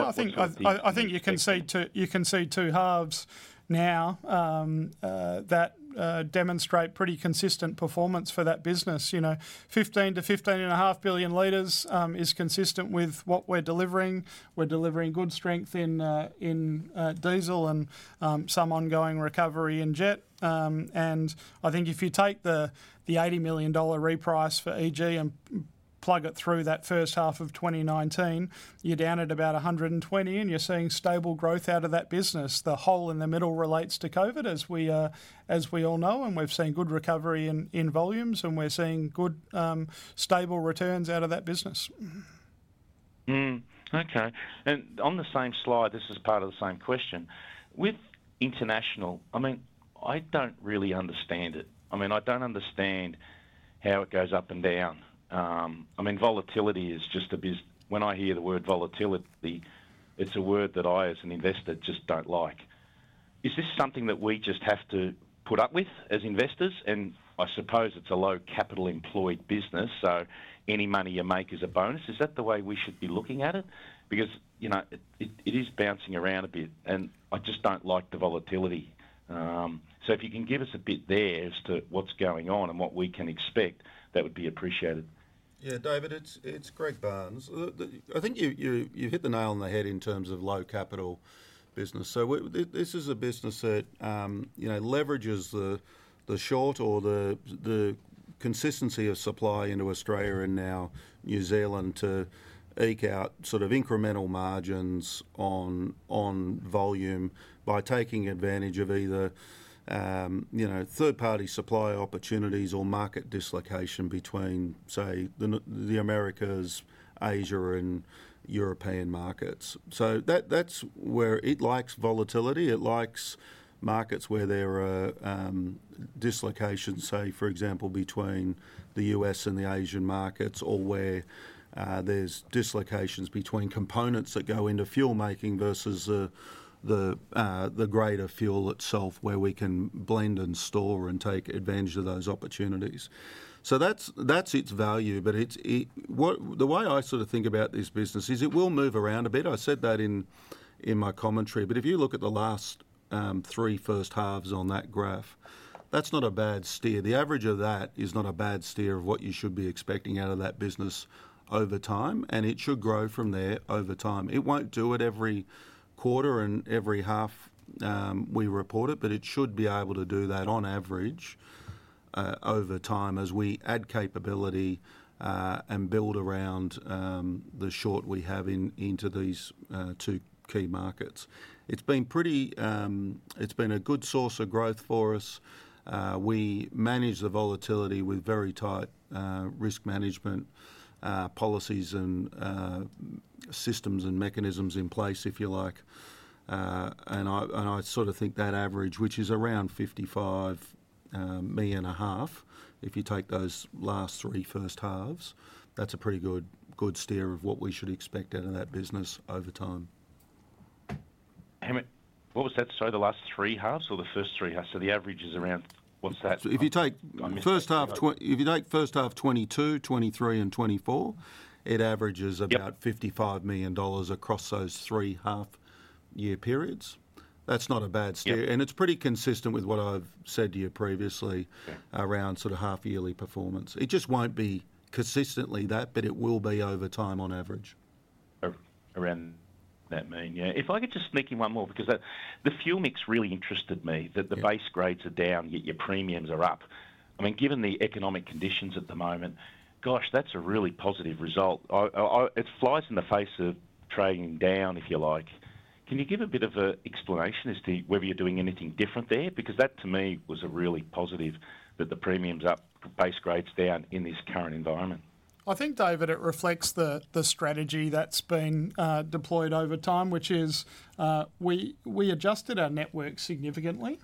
Speaker 2: Yeah, I think you can see two halves now that demonstrate pretty consistent performance for that business. You know, 15 billion-15.5 billion liters is consistent with what we're delivering. We're delivering good strength in diesel and some ongoing recovery in jet. And I think if you take the 80 million dollar reprice for EG and plug it through that first half of 2019, you're down at about 120, and you're seeing stable growth out of that business. The hole in the middle relates to COVID, as we all know, and we've seen good recovery in volumes, and we're seeing good stable returns out of that business.
Speaker 9: Okay. And on the same slide, this is part of the same question: with International, I mean, I don't really understand it. I mean, I don't understand how it goes up and down. I mean, volatility is just when I hear the word volatility, it's a word that I, as an investor, just don't like. Is this something that we just have to put up with as investors? And I suppose it's a low capital employed business, so any money you make is a bonus. Is that the way we should be looking at it? Because, you know, it, it is bouncing around a bit, and I just don't like the volatility. So if you can give us a bit there as to what's going on and what we can expect, that would be appreciated.
Speaker 3: Yeah, David, it's Greg Barnes. The I think you hit the nail on the head in terms of low capital business. So this is a business that, you know, leverages the shortage or the consistency of supply into Australia and now New Zealand to eke out sort of incremental margins on volume by taking advantage of either, you know, third-party supply opportunities or market dislocation between, say, the Americas, Asia and European markets. So that, that's where it likes volatility. It likes markets where there are dislocations, say, for example, between the US and the Asian markets, or where there's dislocations between components that go into fuel making versus the greater fuel itself, where we can blend and store and take advantage of those opportunities. That's its value, but what, the way I sort of think about this business is it will move around a bit. I said that in my commentary, but if you look at the last three first halves on that graph, that's not a bad steer. The average of that is not a bad steer of what you should be expecting out of that business over time, and it should grow from there over time. It won't do it every quarter and every half we report it, but it should be able to do that on average over time as we add capability and build around the sort we have into these two key markets. It's been a good source of growth for us. We manage the volatility with very tight risk management policies and systems and mechanisms in place, if you like, and I sort of think that average, which is around 55.5 million, if you take those last three first halves, that's a pretty good steer of what we should expect out of that business over time.
Speaker 9: Hey Matt, what was that, sorry, the last three halves or the first three halves? So the average is around... What's that?
Speaker 3: If you take first half 2022, 2023 and 2024, it averages-
Speaker 9: Yep.
Speaker 3: About 55 million dollars across those three half-year periods. That's not a bad steer.
Speaker 9: Yep.
Speaker 3: And it's pretty consistent with what I've said to you previously.
Speaker 9: Yeah
Speaker 3: Around sort of half-yearly performance. It just won't be consistently that, but it will be over time on average.
Speaker 9: Around that mean. Yeah. If I could just sneak in one more, because that, the fuel mix really interested me, that the...
Speaker 3: Yeah
Speaker 9: Base grades are down, yet your premiums are up. I mean, given the economic conditions at the moment, gosh, that's a really positive result. It flies in the face of trading down, if you like. Can you give a bit of a explanation as to whether you're doing anything different there? Because that, to me, was a really positive, that the premium's up, base grade's down in this current environment.
Speaker 2: I think, David, it reflects the strategy that's been deployed over time, which is, we adjusted our network significantly,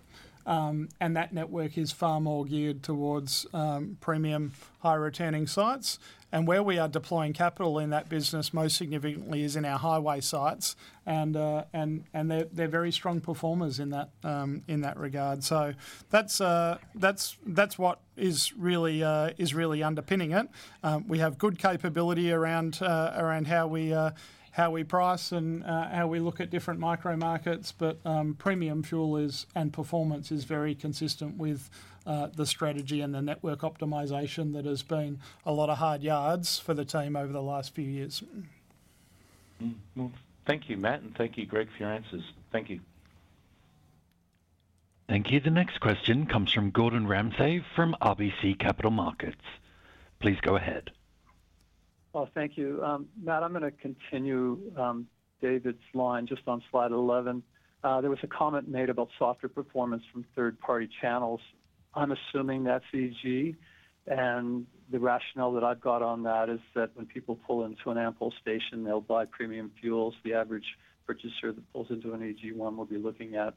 Speaker 2: and that network is far more geared towards premium, high-returning sites. Where we are deploying capital in that business, most significantly, is in our highway sites, and they're very strong performers in that regard. That's what is really underpinning it. We have good capability around how we price and how we look at different micro markets. But premium fuel is, and performance is very consistent with the strategy and the network optimization that has been a lot of hard yards for the team over the last few years.
Speaker 9: Mm-hmm. Thank you, Matt, and thank you, Greg, for your answers. Thank you.
Speaker 1: Thank you. The next question comes from Gordon Ramsay from RBC Capital Markets. Please go ahead.
Speaker 10: Thank you. Matt, I'm gonna continue David's line just on Slide 11. There was a comment made about softer performance from third-party channels. I'm assuming that's EG, and the rationale that I've got on that is that when people pull into an Ampol station, they'll buy premium fuels. The average purchaser that pulls into an EG one will be looking at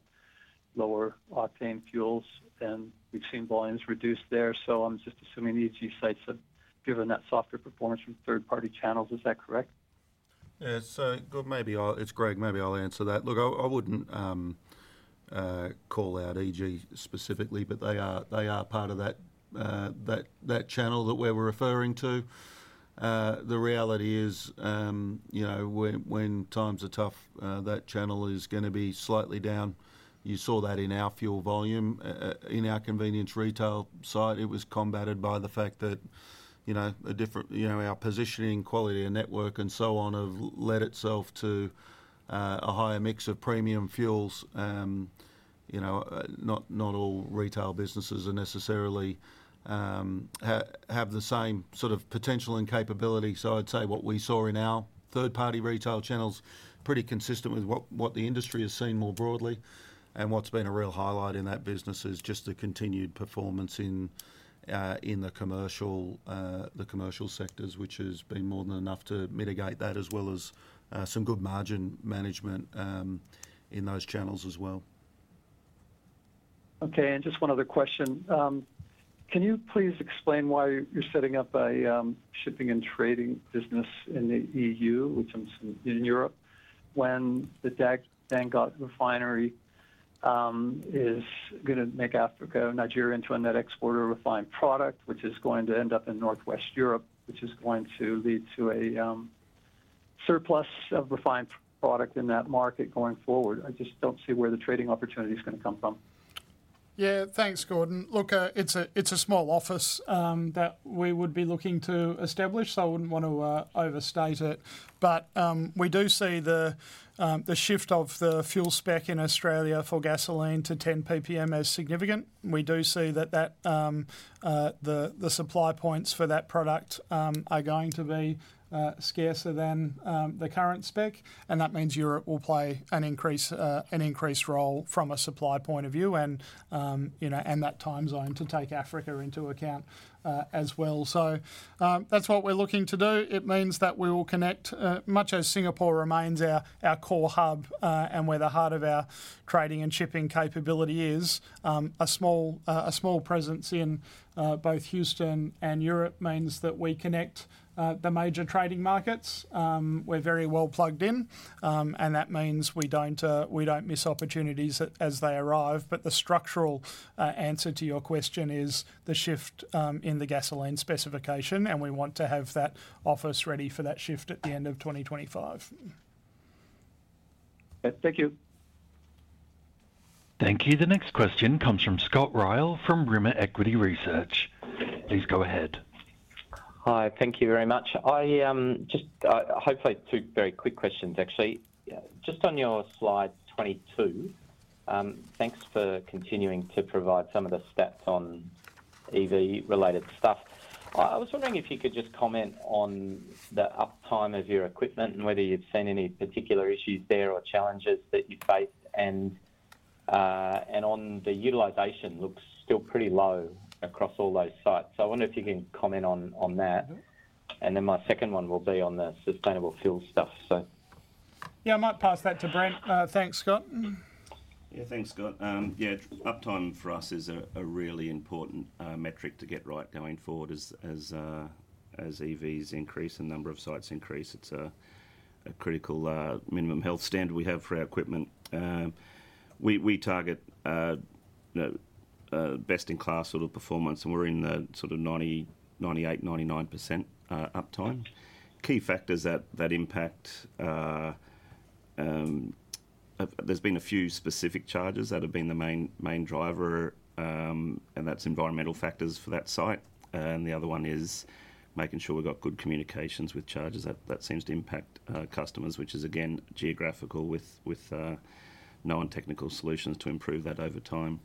Speaker 10: lower octane fuels, and we've seen volumes reduced there. I'm just assuming the EG sites have given that softer performance from third-party channels. Is that correct?
Speaker 3: Yeah. So Gordon, maybe I'll. It's Greg, maybe I'll answer that. Look, I wouldn't call out EG specifically, but they are part of that channel that we're referring to. The reality is, you know, when times are tough, that channel is gonna be slightly down. You saw that in our fuel volume. In our Convenience Retail side, it was combated by the fact that, you know, our positioning, quality, and network and so on, have led itself to a higher mix of premium fuels. You know, not all retail businesses are necessarily have the same sort of potential and capability. So I'd say what we saw in our third-party retail channels, pretty consistent with what the industry has seen more broadly. And what's been a real highlight in that business is just the continued performance in the commercial sectors, which has been more than enough to mitigate that, as well as some good margin management in those channels as well.
Speaker 10: Okay, and just one other question. Can you please explain why you're setting up a shipping and trading business in the EU, which is in Europe, when the Dangote Refinery is gonna make Africa, Nigeria, into a net exporter of refined product, which is going to end up in Northwest Europe, which is going to lead to a surplus of refined product in that market going forward? I just don't see where the trading opportunity is gonna come from.
Speaker 2: Yeah, thanks, Gordon. Look, it's a small office that we would be looking to establish, so I wouldn't want to overstate it. But, we do see the shift of the fuel spec in Australia for gasoline to 10 ppm as significant. We do see that the supply points for that product are going to be scarcer than the current spec, and that means Europe will play an increased role from a supply point of view, and you know, and that time zone to take Africa into account as well. So, that's what we're looking to do. It means that we will connect, much as Singapore remains our core hub, and where the heart of our trading and shipping capability is. A small presence in both Houston and Europe means that we connect the major trading markets. We're very well plugged in, and that means we don't miss opportunities as they arrive. But the structural answer to your question is the shift in the gasoline specification, and we want to have that office ready for that shift at the end of 2025.
Speaker 1: Okay, thank you. Thank you. The next question comes from Scott Ryall, from Rimor Equity Research. Please go ahead.
Speaker 11: Hi, thank you very much. I just hopefully two very quick questions, actually. Yeah, just on your Slide 22, thanks for continuing to provide some of the stats on EV-related stuff. I was wondering if you could just comment on the uptime of your equipment and whether you've seen any particular issues there or challenges that you faced. And on the utilization, looks still pretty low across all those sites. So I wonder if you can comment on that.
Speaker 2: Mm-hmm.
Speaker 11: And then my second one will be on the sustainable fuel stuff, so.
Speaker 2: Yeah, I might pass that to Brent. Thanks, Scott.
Speaker 12: Yeah, thanks, Scott. Yeah, uptime for us is a really important metric to get right going forward as EVs increase and number of sites increase. It's a critical minimum health standard we have for our equipment. We target, you know, a best-in-class sort of performance, and we're in the sort of 90%, 98%, 99% uptime. Key factors that impact. There's been a few specific chargers that have been the main driver, and that's environmental factors for that site. And the other one is making sure we've got good communications with chargers. That seems to impact customers, which is again, geographical with known technical solutions to improve that over time.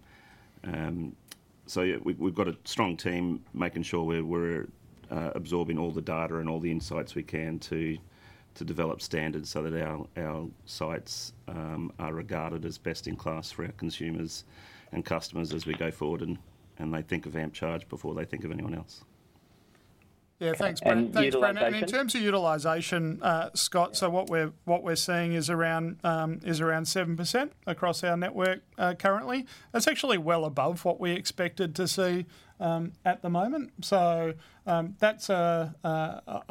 Speaker 12: So yeah, we've got a strong team making sure we're absorbing all the data and all the insights we can to develop standards so that our sites are regarded as best-in-class for our consumers and customers as we go forward, and they think of AmpCharge before they think of anyone else.
Speaker 2: Yeah, thanks, Brent.
Speaker 12: And utilization-
Speaker 2: Thanks, Brent. And in terms of utilization, Scott, so what we're seeing is around 7% across our network currently. That's actually well above what we expected to see at the moment. So, that's, I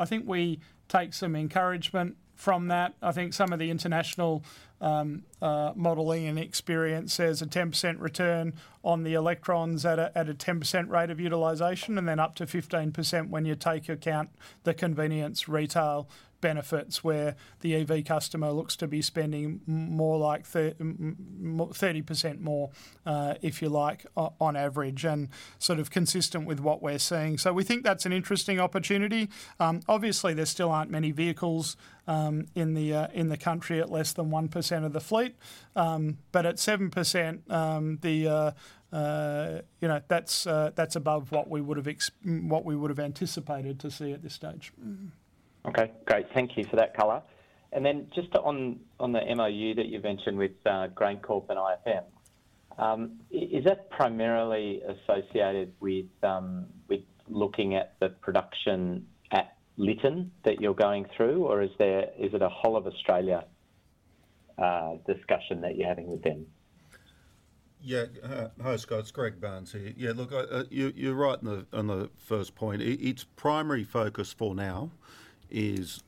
Speaker 2: think we take some encouragement from that. I think some of the International modeling and experience, there's a 10% return on the electrons at a 10% rate of utilization, and then up to 15% when you take into account the Convenience Retail benefits, where the EV customer looks to be spending more like 30% more, if you like, on average, and sort of consistent with what we're seeing. So we think that's an interesting opportunity. Obviously, there still aren't many vehicles in the country at less than 1% of the fleet, but at 7%, you know, that's above what we would've anticipated to see at this stage.
Speaker 11: Okay, great. Thank you for that color. And then just on the MOU that you mentioned with GrainCorp and IFM, is that primarily associated with looking at the production at Lytton that you're going through? Or is it a whole of Australia discussion that you're having with them?
Speaker 3: Yeah. Hi, Scott, it's Greg Barnes here. Yeah, look, you're right on the first point. Its primary focus for now is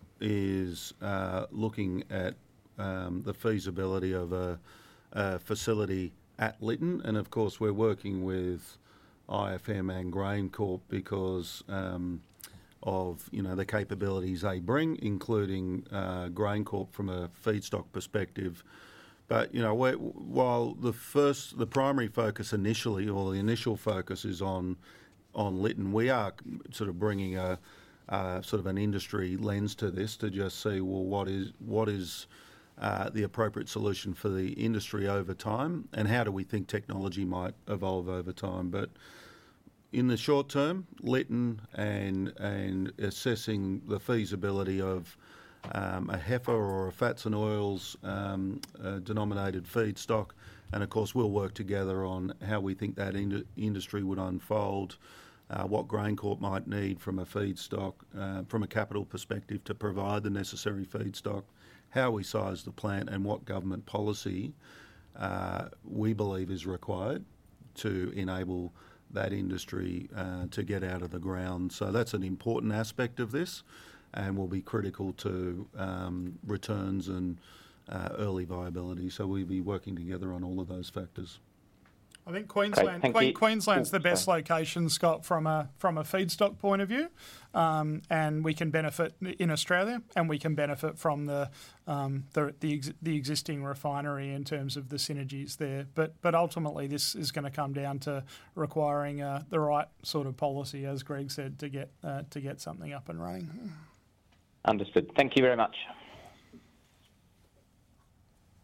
Speaker 3: looking at the feasibility of a facility at Lytton. And of course, we're working with IFM and GrainCorp because of you know the capabilities they bring, including GrainCorp from a feedstock perspective. But you know we're while the first the primary focus initially or the initial focus is on Lytton we are sort of bringing a sort of an industry lens to this to just see well what is the appropriate solution for the industry over time and how do we think technology might evolve over time? But in the short term Lytton and assessing the feasibility of a HEFA or a fats and oils a denominated feedstock. Of course, we'll work together on how we think that industry would unfold, what GrainCorp might need from a feedstock, from a capital perspective, to provide the necessary feedstock, how we size the plant, and what government policy we believe is required to enable that industry to get out of the ground. That's an important aspect of this and will be critical to returns and early viability. We'll be working together on all of those factors.
Speaker 2: I think Queensland's the best location, Scott, from a feedstock point of view, and we can benefit in Australia, and we can benefit from the existing refinery in terms of the synergies there, but ultimately, this is gonna come down to requiring the right sort of policy, as Greg said, to get something up and running.
Speaker 11: Understood. Thank you very much.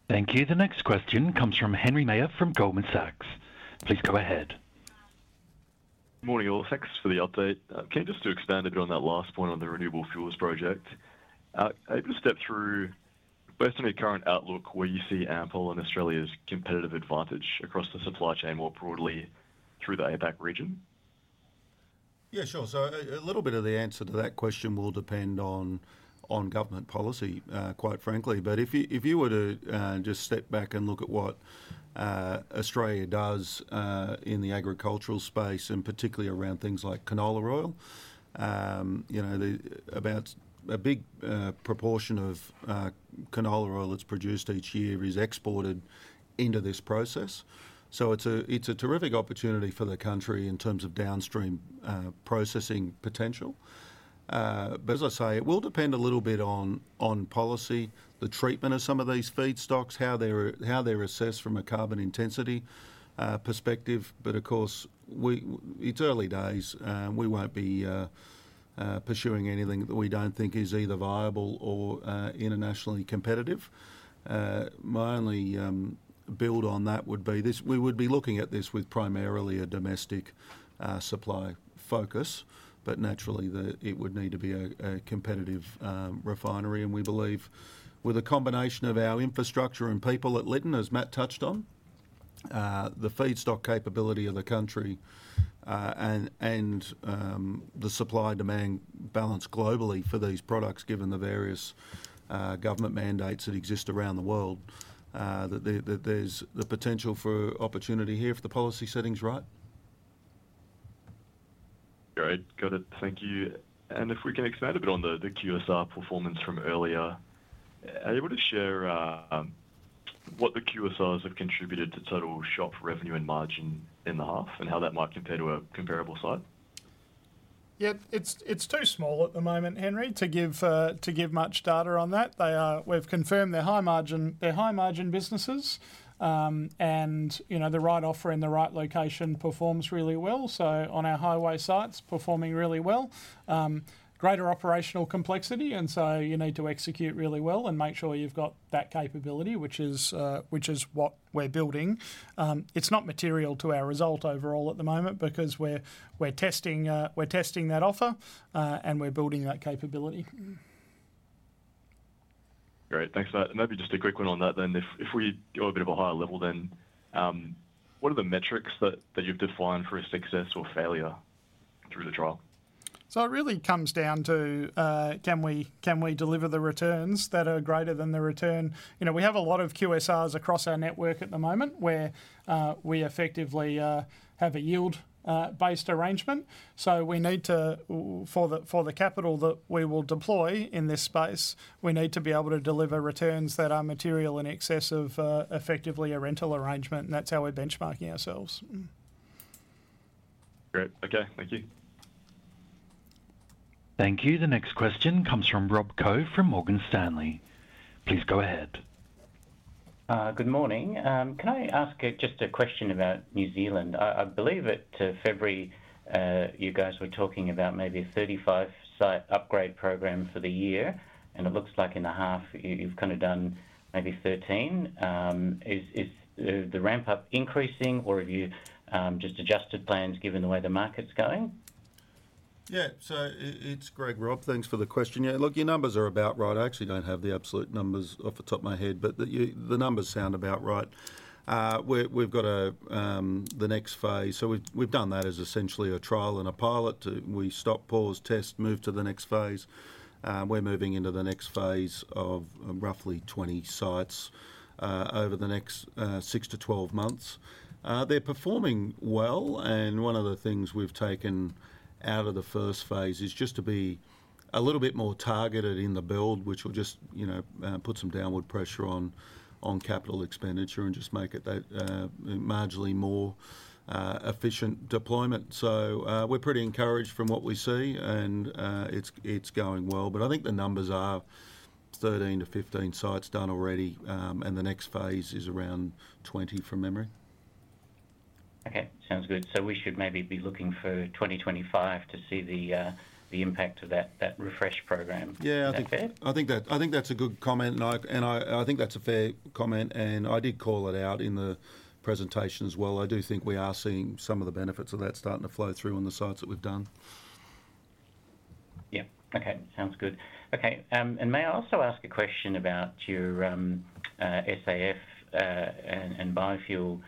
Speaker 1: Thank you. The next question comes from Henry Meyer from Goldman Sachs. Please go ahead.
Speaker 13: Good morning, all. Thanks for the update. Can you just expand a bit on that last point on the renewable fuels project? Able to step through both the current outlook, where you see Ampol and Australia's competitive advantage across the supply chain, more broadly through the APAC region?
Speaker 3: Yeah, sure. So, a little bit of the answer to that question will depend on government policy, quite frankly. But if you were to just step back and look at what Australia does in the agricultural space, and particularly around things like canola oil, you know, about a big proportion of canola oil that's produced each year is exported into this process. So it's a terrific opportunity for the country in terms of downstream processing potential. But as I say, it will depend a little bit on policy, the treatment of some of these feedstocks, how they're assessed from a carbon intensity perspective. But of course, It's early days. We won't be pursuing anything that we don't think is either viable or internationally competitive. My only build on that would be this: we would be looking at this with primarily a domestic supply focus, but naturally, it would need to be a competitive refinery. And we believe with a combination of our infrastructure and people at Lytton, as Matt touched on, the feedstock capability of the country, and the supply-demand balance globally for these products, given the various government mandates that exist around the world, that there's the potential for opportunity here if the policy setting's right.
Speaker 13: Great. Got it. Thank you. If we can expand a bit on the QSR performance from earlier, are you able to share what the QSRs have contributed to total shop revenue and margin in the half, and how that might compare to a comparable site?
Speaker 2: Yeah, it's too small at the moment, Henry, to give much data on that. They are. We've confirmed they're high margin, they're high margin businesses. And, you know, the right offer and the right location performs really well, so on our highway sites, performing really well. Greater operational complexity, and so you need to execute really well and make sure you've got that capability, which is what we're building. It's not material to our result overall at the moment because we're testing that offer, and we're building that capability.
Speaker 13: Great. Thanks for that. And maybe just a quick one on that then. If we go a bit of a higher level, then, what are the metrics that you've defined for success or failure through the trial?
Speaker 2: So it really comes down to, can we deliver the returns that are greater than the return? You know, we have a lot of QSRs across our network at the moment, where we effectively have a yield based arrangement. So we need to, for the capital that we will deploy in this space, we need to be able to deliver returns that are material in excess of, effectively a rental arrangement, and that's how we're benchmarking ourselves.
Speaker 13: Great. Okay, thank you.
Speaker 1: Thank you. The next question comes from Rob Koh from Morgan Stanley. Please go ahead.
Speaker 14: Good morning. Can I ask just a question about New Zealand? I believe at February, you guys were talking about maybe a 35-site upgrade program for the year, and it looks like in the half, you've kind of done maybe 13 sites. Is the ramp up increasing or have you just adjusted plans given the way the market's going?
Speaker 3: Yeah. So it, it's Greg, Rob. Thanks for the question. Yeah, look, your numbers are about right. I actually don't have the absolute numbers off the top of my head, but the numbers sound about right. We're, we've got the next phase, so we've done that as essentially a trial and a pilot. We stop, pause, test, move to the next phase. We're moving into the next phase of roughly 20 sites over the next 6 months-12 months. They're performing well, and one of the things we've taken out of the first phase is just to be a little bit more targeted in the build, which will just, you know, put some downward pressure on capital expenditure and just make it that marginally more efficient deployment. So, we're pretty encouraged from what we see, and it's going well. But I think the numbers are 13 sites-15 sites done already, and the next phase is around 20 sites, from memory.
Speaker 14: Okay. Sounds good. So we should maybe be looking for 2025 to see the impact of that refresh program.
Speaker 3: Yeah, I think.
Speaker 14: Is that fair?
Speaker 3: I think that's a good comment, and I think that's a fair comment, and I did call it out in the presentation as well. I do think we are seeing some of the benefits of that starting to flow through on the sites that we've done.
Speaker 14: Yeah. Okay. Sounds good. Okay, and may I also ask a question about your SAF and biofuel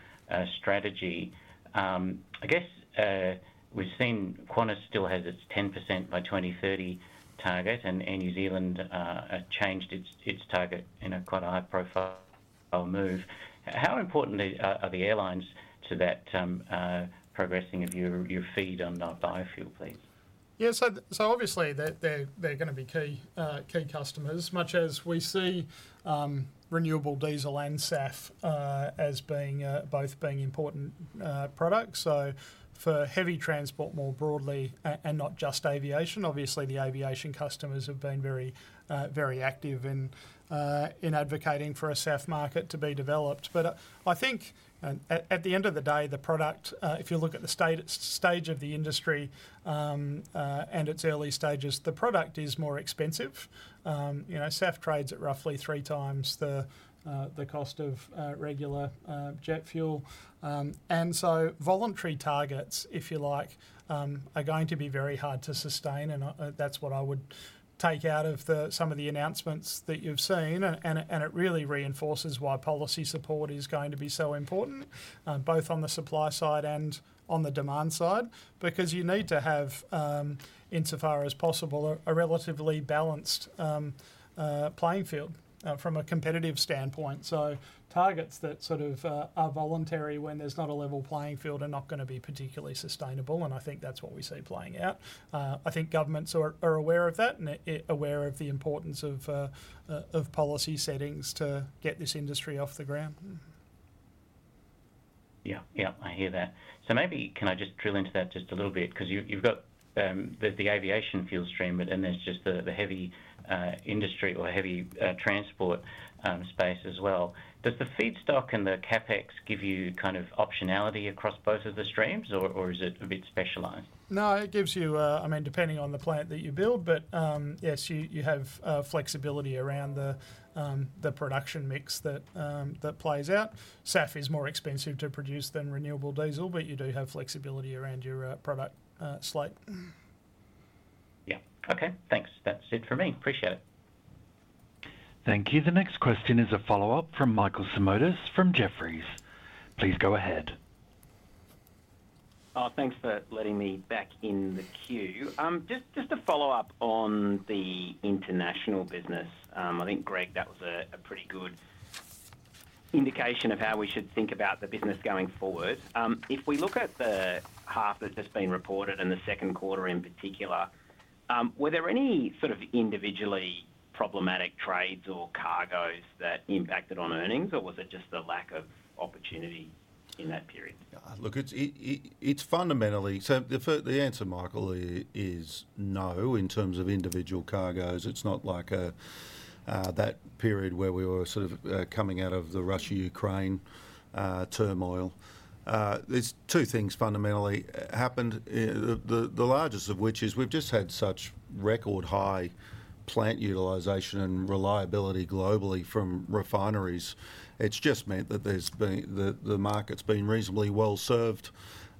Speaker 14: strategy? I guess, we've seen Qantas still has its 10% by 2030 target, and Air New Zealand changed its target in a quite high-profile move. How important are the airlines to that progressing of your feed on the biofuel, please?
Speaker 2: Yeah, so obviously they're gonna be key customers, much as we see renewable diesel and SAF as both being important products. So for heavy transport more broadly, and not just aviation. Obviously, the aviation customers have been very active in advocating for a SAF market to be developed. But I think at the end of the day, the product, if you look at the stage of the industry and its early stages, the product is more expensive. You know, SAF trades at roughly three times the cost of regular jet fuel. And so voluntary targets, if you like, are going to be very hard to sustain, and that's what I would take out of some of the announcements that you've seen. And it really reinforces why policy support is going to be so important, both on the supply side and on the demand side, because you need to have, insofar as possible, a relatively balanced playing field from a competitive standpoint. So targets that sort of are voluntary when there's not a level playing field are not gonna be particularly sustainable, and I think that's what we see playing out. I think governments are aware of that, and aware of the importance of policy settings to get this industry off the ground.
Speaker 14: Yeah. Yeah, I hear that. So maybe can I just drill into that just a little bit? 'Cause you, you've got the aviation fuel stream, but and then there's just the heavy industry or heavy transport space as well. Does the feedstock and the CapEx give you kind of optionality across both of the streams, or is it a bit specialized?
Speaker 2: No, it gives you, I mean, depending on the plant that you build, but yes, you have flexibility around the production mix that plays out. SAF is more expensive to produce than renewable diesel, but you do have flexibility around your product slate.
Speaker 14: Yeah. Okay, thanks. That's it for me. Appreciate it.
Speaker 1: Thank you. The next question is a follow-up from Michael Simotas from Jefferies. Please go ahead.
Speaker 4: Oh, thanks for letting me back in the queue. Just a follow-up on the International business. I think, Greg, that was a pretty good indication of how we should think about the business going forward. If we look at the half that's just been reported in the second quarter in particular, were there any sort of individually problematic trades or cargoes that impacted on earnings, or was it just the lack of opportunity in that period?
Speaker 3: Look, it's fundamentally. So the answer, Michael, is no, in terms of individual cargoes. It's not like that period where we were sort of coming out of the Russia-Ukraine turmoil. There's two things fundamentally happened. The largest of which is we've just had such record high plant utilization and reliability globally from refineries. It's just meant that the market's been reasonably well served.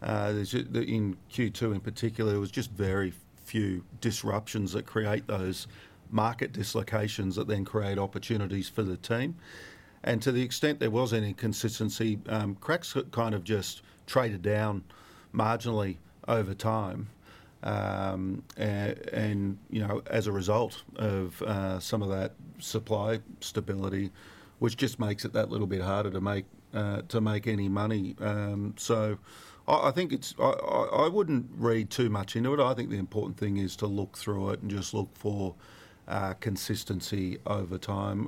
Speaker 3: In Q2 in particular, it was just very few disruptions that create those market dislocations, that then create opportunities for the team. And to the extent there was any consistency, cracks kind of just traded down marginally over time. And, you know, as a result of some of that supply stability, which just makes it that little bit harder to make any money. So I think it's. I wouldn't read too much into it. I think the important thing is to look through it and just look for consistency over time.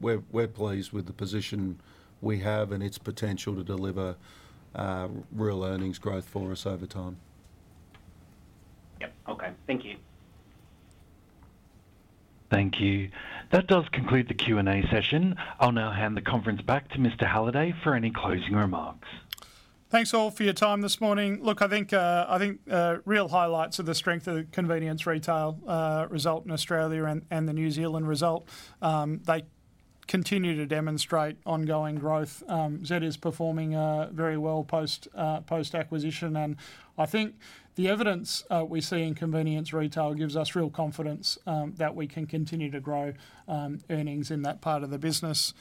Speaker 3: We're pleased with the position we have and its potential to deliver real earnings growth for us over time.
Speaker 4: Yep. Okay. Thank you.
Speaker 1: Thank you. That does conclude the Q&A session. I'll now hand the conference back to Mr Halliday for any closing remarks.
Speaker 2: Thanks, all, for your time this morning. Look, I think real highlights are the strength of the Convenience Retail result in Australia and the New Zealand result. They continue to demonstrate ongoing growth. Z is performing very well post-acquisition, and I think the evidence we see in Convenience Retail gives us real confidence that we can continue to grow earnings in that part of the business.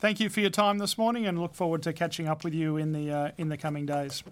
Speaker 2: Thank you for your time this morning, and look forward to catching up with you in the coming days.